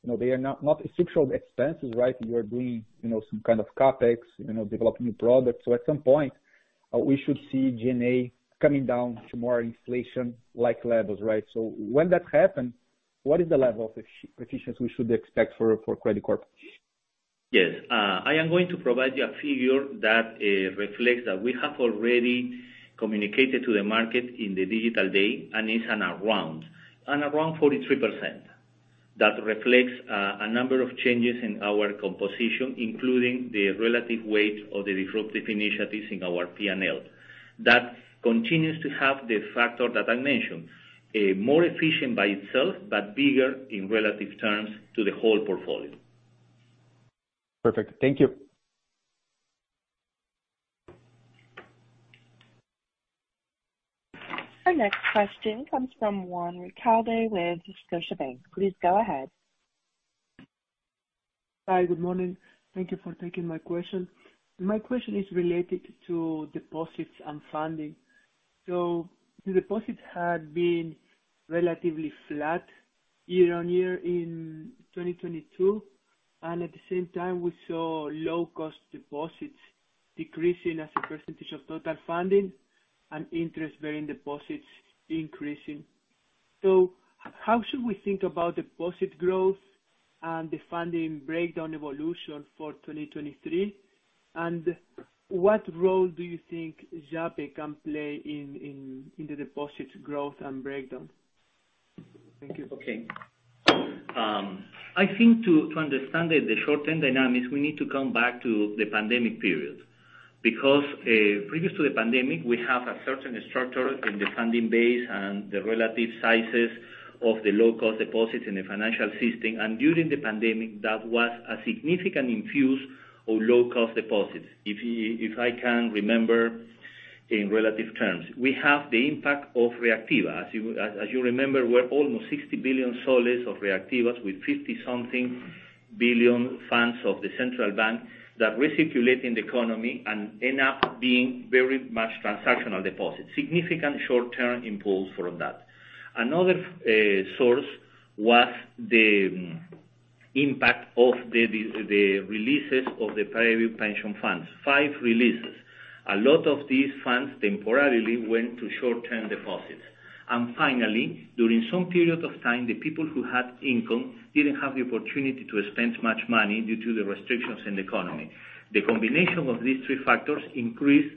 you know, they are not structural expenses, right? You are doing, you know, some kind of CapEx, you know, developing new products. At some point, we should see G&A coming down to more inflation-like levels, right? When that happens, what is the level of efficiency we should expect for Credicorp? Yes. I am going to provide you a figure that reflects that we have already communicated to the market in the digital day and is 43%. That reflects a number of changes in our composition, including the relative weight of the disruptive initiatives in our P&L. That continues to have the factor that I mentioned, more efficient by itself, but bigger in relative terms to the whole portfolio. Perfect. Thank you. Our next question comes from Juan Recalde with Scotiabank. Please go ahead. Hi good morning thank you for taking my question. My question is related to deposits and funding. The deposits had been relatively flat year-on-year in 2022, and at the same time, we saw low cost deposits decreasing as a % of total funding and interest bearing deposits increasing. How should we think about deposit growth and the funding breakdown evolution for 2023? And what role do you think Yape can play in the deposits growth and breakdown? Thank you. Okay. I think to understand the short-term dynamics, we need to come back to the pandemic period. Previous to the pandemic, we have a certain structure in the funding base and the relative sizes of the low cost deposits in the financial system. During the pandemic that was a significant infuse of low cost deposits, if I can remember in relative terms. We have the impact of Reactiva. As you remember, we're almost PEN 60 billion soles of Reactivas with PEN 50 something billion funds of the central bank that recirculate in the economy and end up being very much transactional deposits, significant short-term impulse from that. Another source was the impact of the releases of the private pension funds. Five releases. A lot of these funds temporarily went to short-term deposits. Finally, during some period of time, the people who had income didn't have the opportunity to spend much money due to the restrictions in the economy. The combination of these three factors increased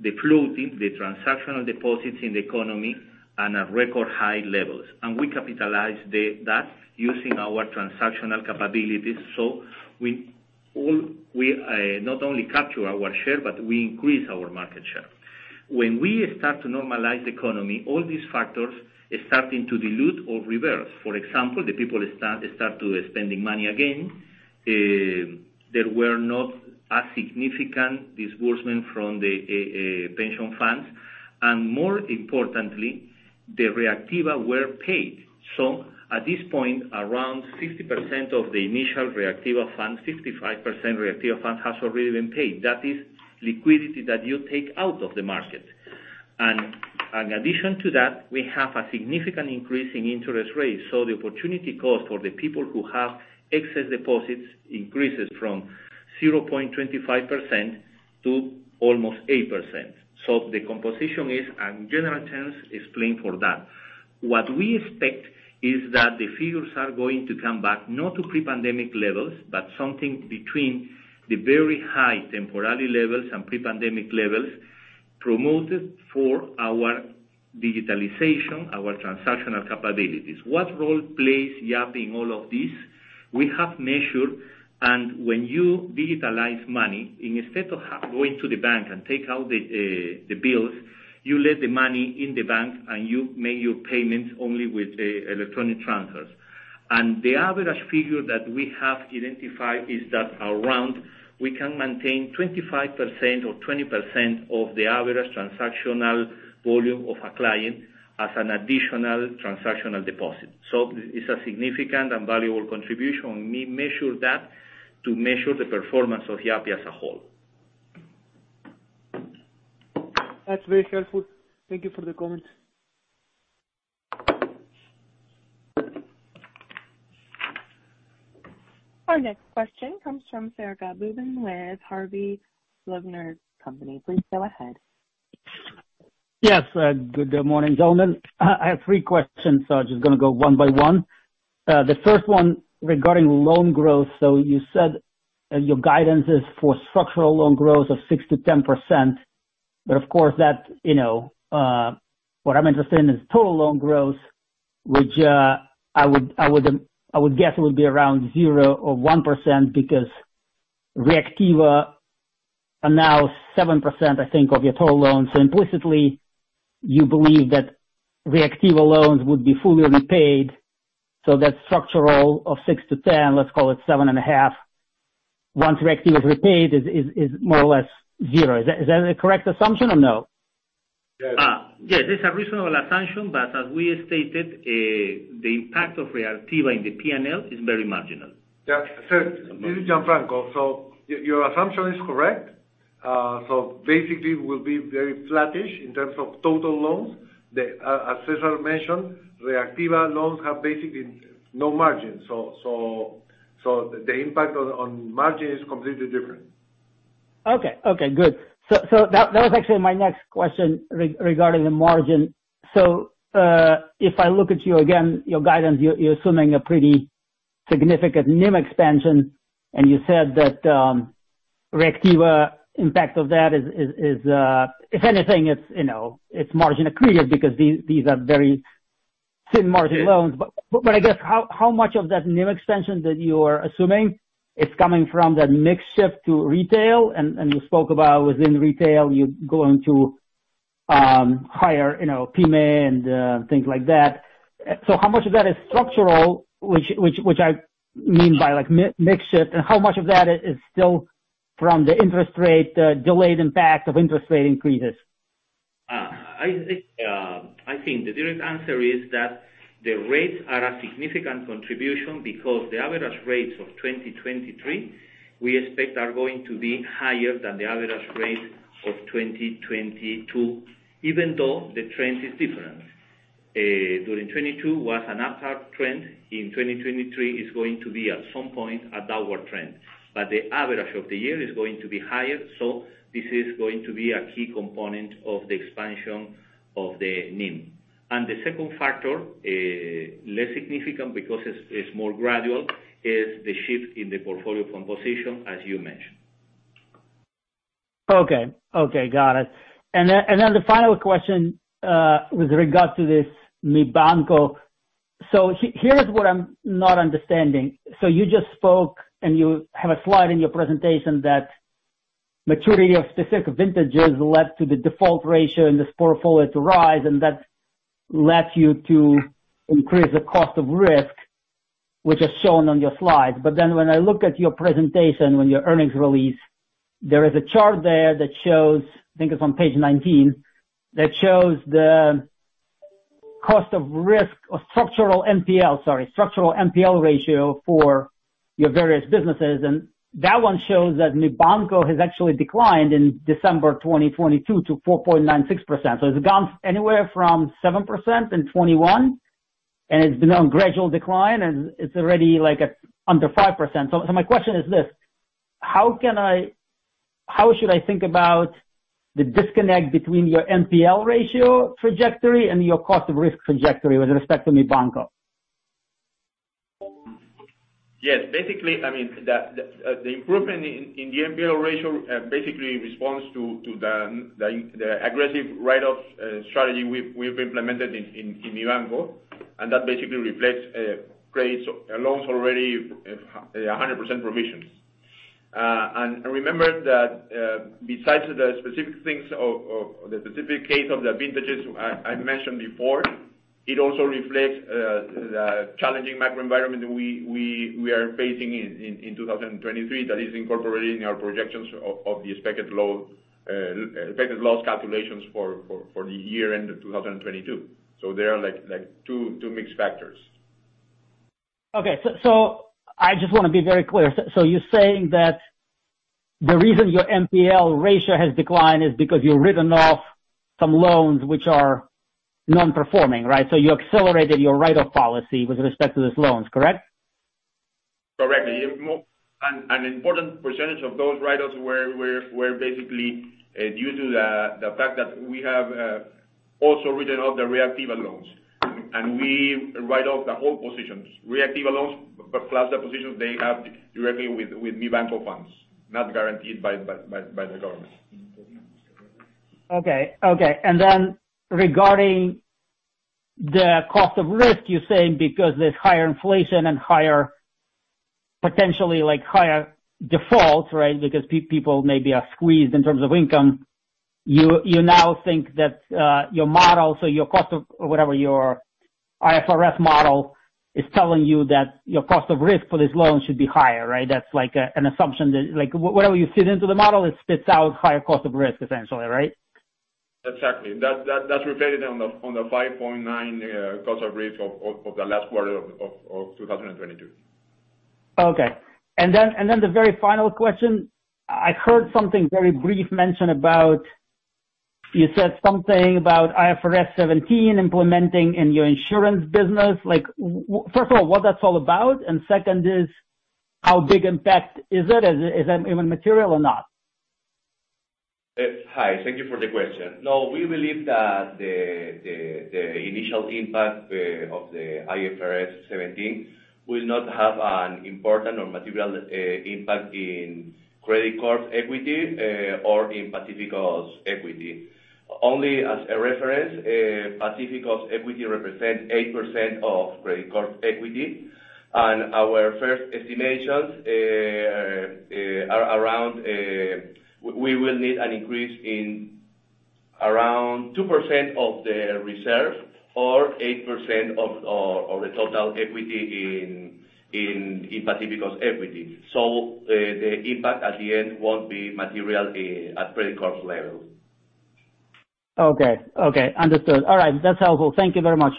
the floating, the transactional deposits in the economy and at record high levels. We capitalized that using our transactional capabilities. We not only capture our share, but we increase our market share. When we start to normalize the economy, all these factors are starting to dilute or reverse. For example, the people start to spending money again. There were not a significant disbursement from the pension funds, and more importantly, the Reactiva were paid. At this point, around 60% of the initial Reactiva fund, 65% Reactiva fund, has already been paid. That is liquidity that you take out of the market. In addition to that, we have a significant increase in interest rates. The opportunity cost for the people who have excess deposits increases from 0.25% to almost 8%. The composition is, in general terms, explained for that. What we expect is that the figures are going to come back, not to pre-pandemic levels, but something between the very high temporary levels and pre-pandemic levels, promoted for our digitalization, our transactional capabilities. What role plays Yape in all of this? We have measured, when you digitalize money, instead of going to the bank and take out the bills, you leave the money in the bank, and you make your payments only with electronic transfers. The average figure that we have identified is that around we can maintain 25% or 20% of the average transactional volume of a client as an additional transactional deposit. It's a significant and valuable contribution. We measure that to measure the performance of Yape as a whole. That's very helpful. Thank you for the comment. Our next question comes from Serguei Gaboven with Harvey Levener & Company. Please go ahead. Yes good morning gentlemen I have three questions, so I'm just gonna go one by one. The first one regarding loan growth. You said, your guidance is for structural loan growth of 6%-10%, but of course that, you know, what I'm interested in is total loan growth, which, I would guess it would be around 0% or 1% because Reactiva are now 7%, I think, of your total loans. Implicitly, you believe that Reactiva loans would be fully repaid, so that structural of 6%-10%, let's call it 7.5%, once Reactiva is repaid, is more or less 0%. Is that a correct assumption or no? Yes, it's a reasonable assumption, but as we stated, the impact of Reactiva in the P&L is very marginal. Yeah Serg this is Gianfranco your assumption is correct. basically we'll be very flattish in terms of total loans. As Cesar mentioned, Reactiva loans have basically no margin. The impact on margin is completely different. Okay. Good. That was actually my next question regarding the margin. If I look at you again, your guidance, you're assuming a pretty significant NIM expansion, and you said that Reactiva impact of that is, if anything, it's, you know, margin accretive because these are very thin margin loans. I guess how much of that NIM expansion that you are assuming is coming from that mix shift to retail, and you spoke about within retail, you're going to hire, you know, PMA and things like that. How much of that is structural, which I mean by like mix shift, and how much of that is still from the interest rate delayed impact of interest rate increases? I think the direct answer is that the rates are a significant contribution because the average rates of 2023, we expect are going to be higher than the average rate of 2022, even though the trend is different. During 2022 was an upward trend. In 2023, it's going to be at some point a downward trend. The average of the year is going to be higher, so this is going to be a key component of the expansion of the NIM. The second factor, less significant because it's more gradual, is the shift in the portfolio composition, as you mentioned. Okay. Okay, got it. Then, the final question, with regards to this Mi Banco. Here is what I'm not understanding. You just spoke, and you have a slide in your presentation that maturity of specific vintages led to the default ratio in this portfolio to rise, and that led you to increase the cost of risk, which is shown on your slides. When I look at your presentation, on your earnings release, there is a chart there that shows, I think it's on page 19, that shows the cost of risk or structural NPL, sorry, structural NPL ratio for your various businesses, and that one shows that Mi Banco has actually declined in December 2022 to 4.96%. It's gone anywhere from 7% in 2021, and it's been on gradual decline, and it's already like at under 5%. My question is this: How should I think about the disconnect between your NPL ratio trajectory and your cost of risk trajectory with respect to Mi Banco? Yes. Basically, I mean, the improvement in the NPL ratio basically responds to the aggressive write-off strategy we've implemented in Mi Banco, and that basically reflects creates loans already 100% provision. Remember that, besides the specific things of the specific case of the vintages I mentioned before, it also reflects the challenging macro environment that we are facing in 2023 that is incorporated in our projections of the expected loss expected loss calculations for the year end of 2022. There are like two mixed factors. Okay. I just want to be very clear. You're saying that the reason your NPL ratio has declined is because you've written off some loans which are non-performing, right? You accelerated your write-off policy with respect to these loans, correct? Correct. An important percentage of those write-offs were basically due to the fact that we have also written off the Reactiva loans. We write off the whole positions. Reactiva loans plus the positions they have directly with Mi Banco funds, not guaranteed by the government. Okay. Okay. Then regarding the cost of risk, you're saying because there's higher inflation and higher potentially, like, higher defaults, right? Because people maybe are squeezed in terms of income. You now think that your model, so your cost of whatever your IFRS model is telling you that your cost of risk for this loan should be higher, right? That's like a, an assumption that like, whatever you fit into the model, it spits out higher cost of risk, essentially, right? Exactly. That's reflected on the 5.9 cost of risk of the last quarter of 2022. Okay. The very final question. I heard something very brief mention about. You said something about IFRS 17 implementing in your insurance business. Like, first of all, what that's all about, and second is how big impact is it? Is that even material or not? Hi thank you for the question We believe that the initial impact of the IFRS 17 will not have an important or material impact in Credicorp equity or in Pacifico equity. Only as a reference, Pacifico equity represent 8% of Credicorp equity. Our first estimations are around, we will need an increase in around 2% of the reserve or 8% of the total equity in Pacifico' equity. The impact at the end won't be material at Credicorp level. Okay. Understood. All right. That's helpful. Thank you very much.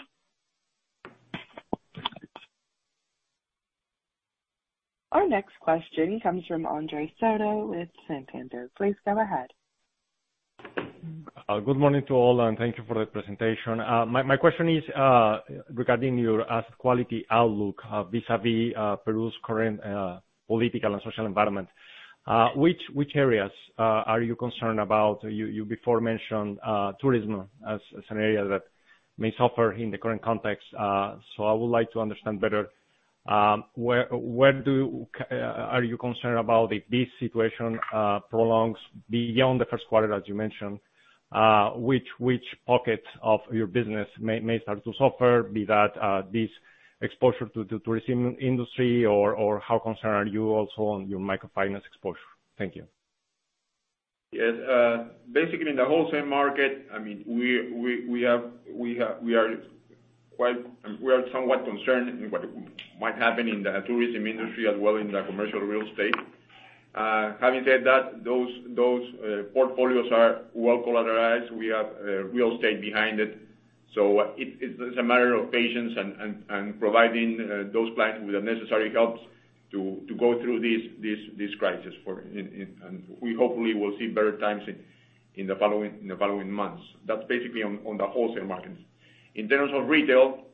Our next question comes from Andres Soto with Santander. Please go ahead. Good morning to all, and thank you for the presentation. My question is regarding your asset quality outlook, vis-à-vis Peru's current political and social environment. Which areas are you concerned about? You before mentioned tourism as an area that may suffer in the current context. I would like to understand better, where are you concerned about if this situation prolongs beyond the first quarter, as you mentioned, which pocket of your business may start to suffer, be that this exposure to the tourism industry or how concerned are you also on your microfinance exposure? Thank you. have, we are quite concerned in what might happen in the tourism industry as well in the commercial real estate. Having said that, those portfolios are well collateralized. We have real estate behind it. So it's a matter of patience and providing those clients with the necessary help to go through this crisis. And we hopefully will see better times in the following months. That's basically on the wholesale markets. In terms of retail,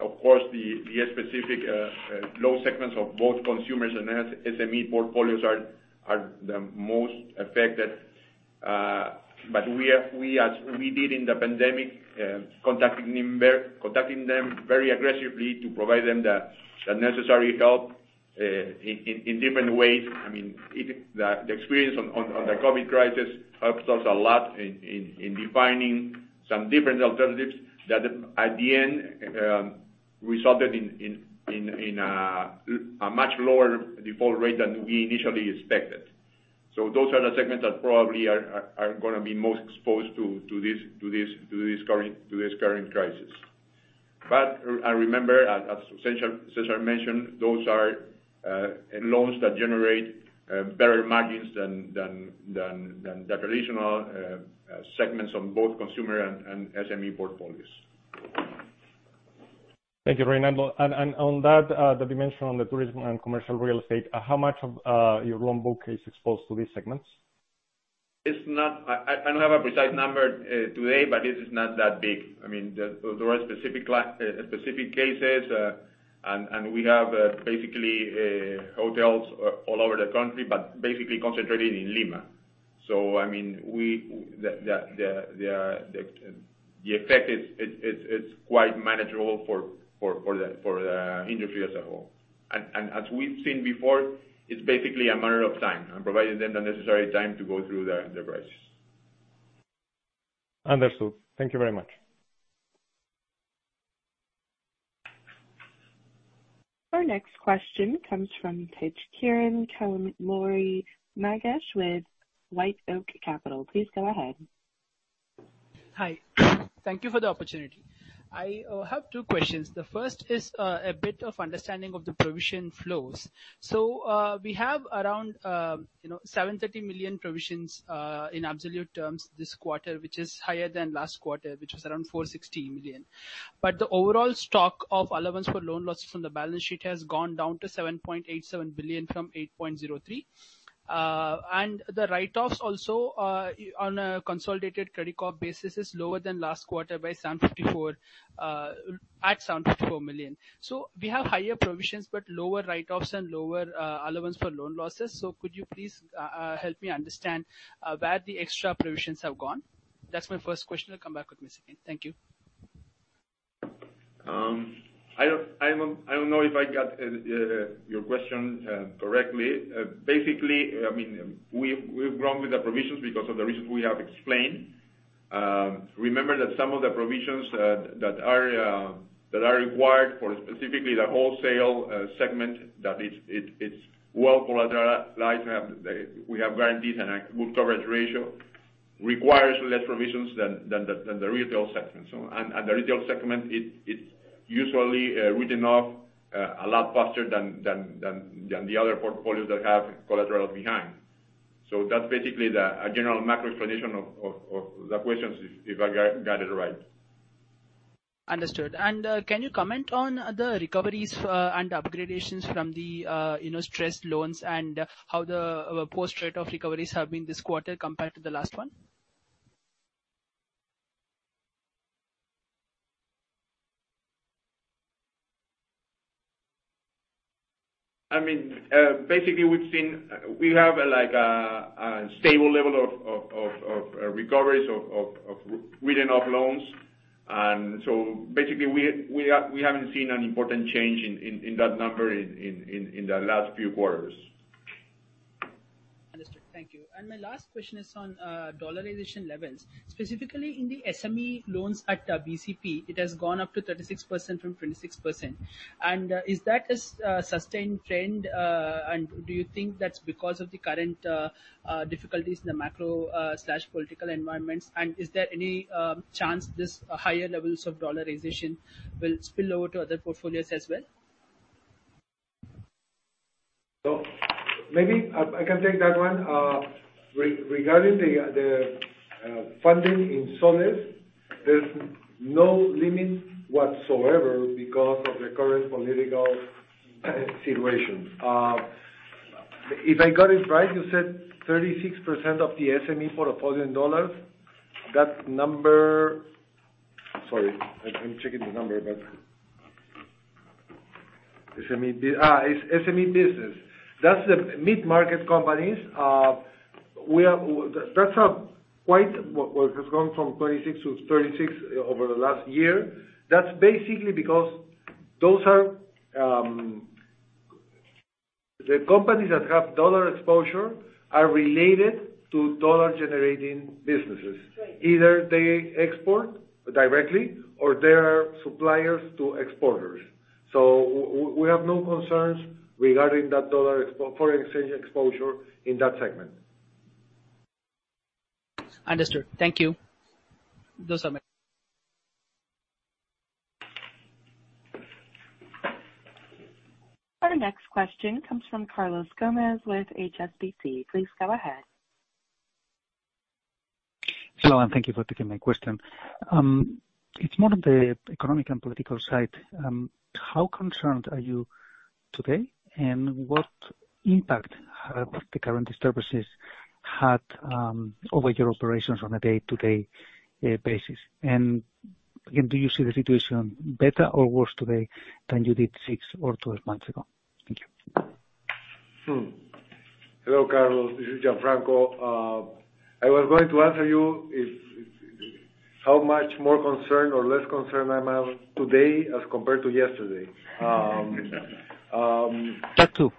of course, the specific loan segments of both consumers and SME portfolios are the most affected. We did in the pandemic, contacting member, contacting them very aggressively to provide them the necessary help in different ways. I mean, the experience on the COVID crisis helps us a lot in defining some different alternatives that at the end resulted in a much lower default rate than we initially expected. Those are the segments that probably are gonna be most exposed to this current crisis. And remember, as Cesar mentioned, those are loans that generate better margins than the traditional segments on both consumer and SME portfolios. Thank you Reynaldo on that, the dimension on the tourism and commercial real estate, how much of your loan book is exposed to these segments? It's not... I don't have a precise number today, it is not that big. I mean, there are specific cases, we have, basically, hotels all over the country, but basically concentrated in Lima. I mean, we... The effect it's quite manageable for the industry as a whole. As we've seen before, it's basically a matter of time, and providing them the necessary time to go through their enterprise. Understood. Thank you very much. Our next question comes from Tejkiran Kannaluri Magesh with WhiteOak Capital. Please go ahead. Hi thank you for the opportunity. I have two questions. The first is a bit of understanding of the provision flows. We have around, you know, PEN 730 million provisions in absolute terms this quarter, which is higher than last quarter, which was around PEN 460 million. The overall stock of allowance for loan losses from the balance sheet has gone down to PEN 7.87 billion from PEN 8.03 billion. And the write-offs also on a consolidated credit card basis is lower than last quarter at PEN 754 million. We have higher provisions but lower write-offs and lower allowance for loan losses. Could you please help me understand where the extra provisions have gone? That's my first question. I'll come back with my second. Thank you. I don't know if I got your question correctly. Basically, I mean, we've grown with the provisions because of the reasons we have explained. Remember that some of the provisions that are required for specifically the wholesale segment, that it's well collateralized. We have guarantees and a good coverage ratio. Requires less provisions than the retail segment. The retail segment it usually written off a lot faster than the other portfolios that have collaterals behind. That's basically a general macro explanation of the questions if I got it right. Understood. Can you comment on the recoveries and upgradations from the, you know, stressed loans and how the post rate of recoveries have been this quarter compared to the last one? I mean, basically we've seen. We have a, like a stable level of recoveries of written off loans. Basically we haven't seen an important change in that number in the last few quarters. Understood. Thank you. My last question is on dollarization levels. Specifically in the SME loans at BCP, it has gone up to 36% from 26%. Is that a sustained trend? Do you think that's because of the current difficulties in the macro slash political environments? Is there any chance this higher levels of dollarization will spill over to other portfolios as well? Maybe I can take that one. Regarding the funding in soles, there's no limits whatsoever because of the current political situation. If I got it right, you said 36% of the SME portfolio in dollars. That number. Sorry, let me check in the number but SME business. That's the mid-market companies. Well, it has gone from 26%-36% over the last year. That's basically because the companies that have dollar exposure are related to dollar-generating businesses. Right. Either they export directly or they are suppliers to exporters. We have no concerns regarding that dollar foreign exchange exposure in that segment. Understood. Thank you. Those are my questions. Our next question comes from Carlos Gomez-Lopez with HSBC. Please go ahead. Hello. Thank you for taking my question. It's more on the economic and political side. How concerned are you today, and what impact have the current disturbances had over your operations on a day-to-day basis? Again, do you see the situation better or worse today than you did six or 12 months ago? Thank you. Hello Carlos this is Gianfranco I was going to answer you if how much more concerned or less concerned I am today as compared to yesterday. That too.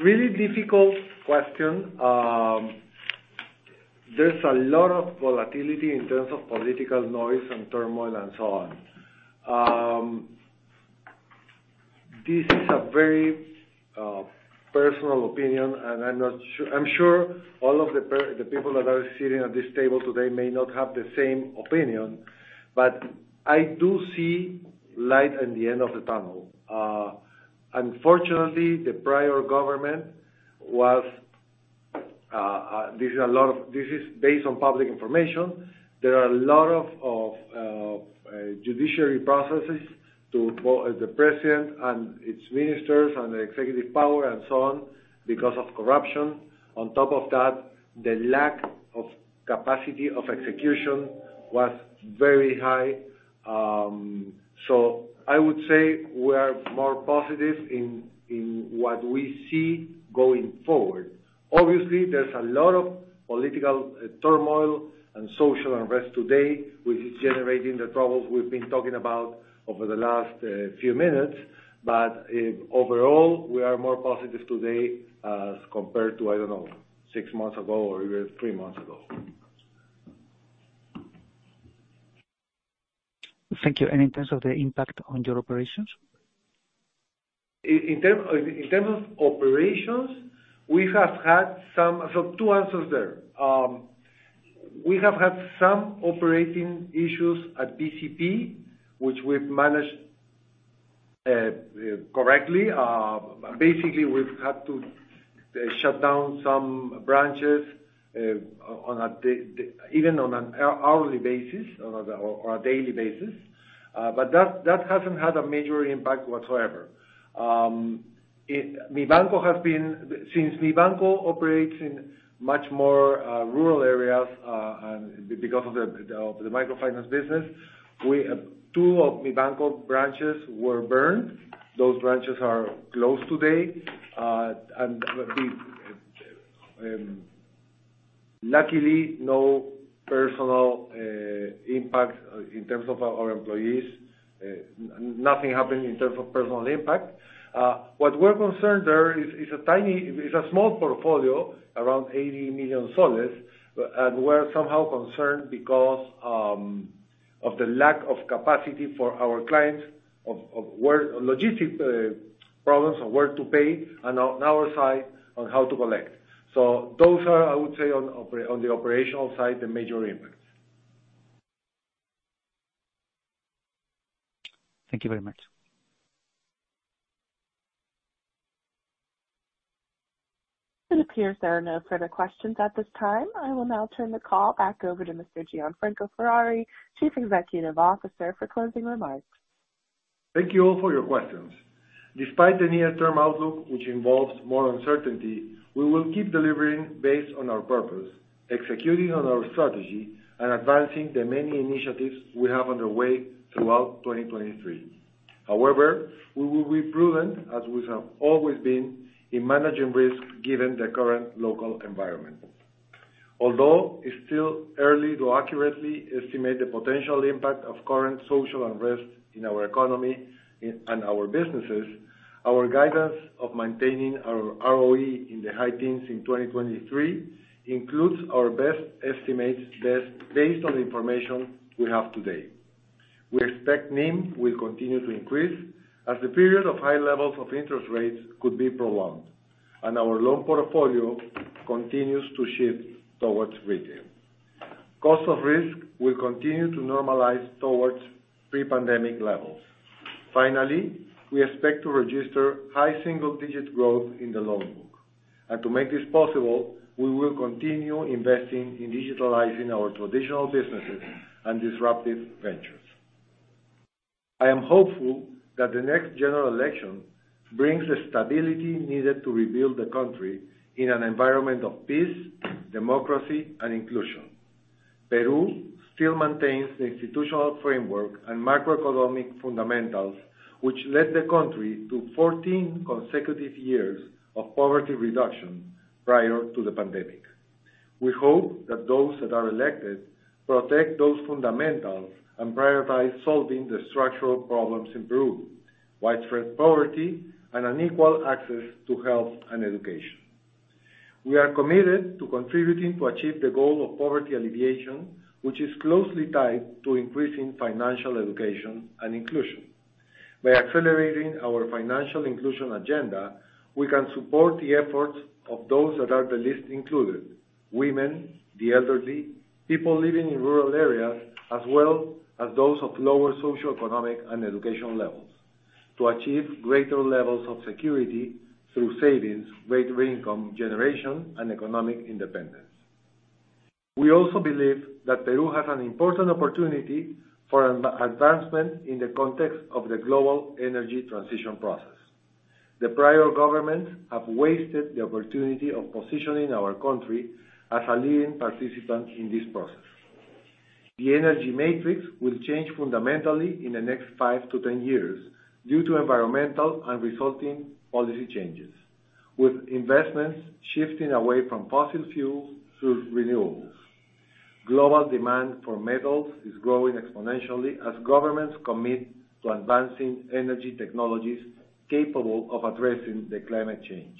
Really difficult question. There's a lot of volatility in terms of political noise and turmoil and so on. This is a very personal opinion, and I'm sure all of the people that are sitting at this table today may not have the same opinion, but I do see light at the end of the tunnel. Unfortunately, the prior government was. This is based on public information. There are a lot of judiciary processes-To both the president and its ministers and the executive power and so on because of corruption. On top of that, the lack of capacity of execution was very high. I would say we are more positive in what we see going forward. Obviously, there's a lot of political turmoil and social unrest today, which is generating the troubles we've been talking about over the last few minutes. Overall, we are more positive today as compared to, I don't know, six months ago or even three months ago. Thank you. In terms of the impact on your operations? In terms of operations, we have had some. Two answers there. We have had some operating issues at BCP, which we've managed correctly. Basically, we've had to shut down some branches even on an hourly basis or on a daily basis. That hasn't had a major impact whatsoever. Since Mi Banco operates in much more rural areas, and because of the microfinance business, we have two of Mi Banco branches were burned. Those branches are closed today. Luckily, no personal impact in terms of our employees. Nothing happened in terms of personal impact. What we're concerned there is a small portfolio, around 80 million soles, and we're somehow concerned because of the lack of capacity for our clients of where logistic problems on where to pay, and on our side, on how to collect. Those are, I would say, on the operational side, the major impacts. Thank you very much. It appears there are no further questions at this time. I will now turn the call back over to Mr. Gianfranco Ferrari, Chief Executive Officer, for closing remarks. Thank you all for your questions. Despite the near-term outlook, which involves more uncertainty, we will keep delivering based on our purpose, executing on our strategy, and advancing the many initiatives we have underway throughout 2023. However, we will be prudent, as we have always been, in managing risk given the current local environment. Although it's still early to accurately estimate the potential impact of current social unrest in our economy and our businesses, our guidance of maintaining our ROE in the high teens in 2023 includes our best estimates based on the information we have today. We expect NIM will continue to increase as the period of high levels of interest rates could be prolonged, and our loan portfolio continues to shift towards retail. Cost of risk will continue to normalize towards pre-pandemic levels. Finally, we expect to register high single-digit growth in the loan book. To make this possible, we will continue investing in digitalizing our traditional businesses and disruptive ventures. I am hopeful that the next general election brings the stability needed to rebuild the country in an environment of peace, democracy, and inclusion. Peru still maintains the institutional framework and macroeconomic fundamentals, which led the country to 14 consecutive years of poverty reduction prior to the pandemic. We hope that those that are elected protect those fundamentals and prioritize solving the structural problems in Peru, widespread poverty and unequal access to health and education. We are committed to contributing to achieve the goal of poverty alleviation, which is closely tied to increasing financial education and inclusion. By accelerating our financial inclusion agenda, we can support the efforts of those that are the least included: women, the elderly, people living in rural areas, as well as those of lower socioeconomic and educational levels, to achieve greater levels of security through savings, great income generation and economic independence. We also believe that Peru has an important opportunity for an advancement in the context of the global energy transition process. The prior government have wasted the opportunity of positioning our country as a leading participant in this process. The energy matrix will change fundamentally in the next five to 10 years due to environmental and resulting policy changes, with investments shifting away from fossil fuel to renewables. Global demand for metals is growing exponentially as governments commit to advancing energy technologies capable of addressing the climate change.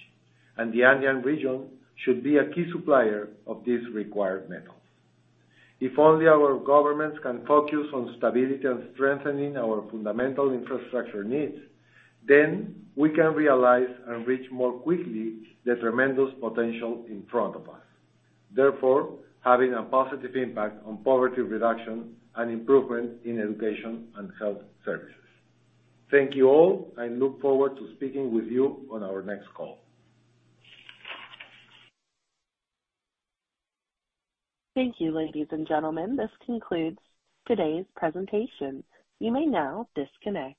The Andean region should be a key supplier of these required metals. If only our governments can focus on stability and strengthening our fundamental infrastructure needs, then we can realize and reach more quickly the tremendous potential in front of us, therefore having a positive impact on poverty reduction and improvement in education and health services. Thank you all, I look forward to speaking with you on our next call. Thank you, ladies and gentlemen. This concludes today's presentation. You may now disconnect.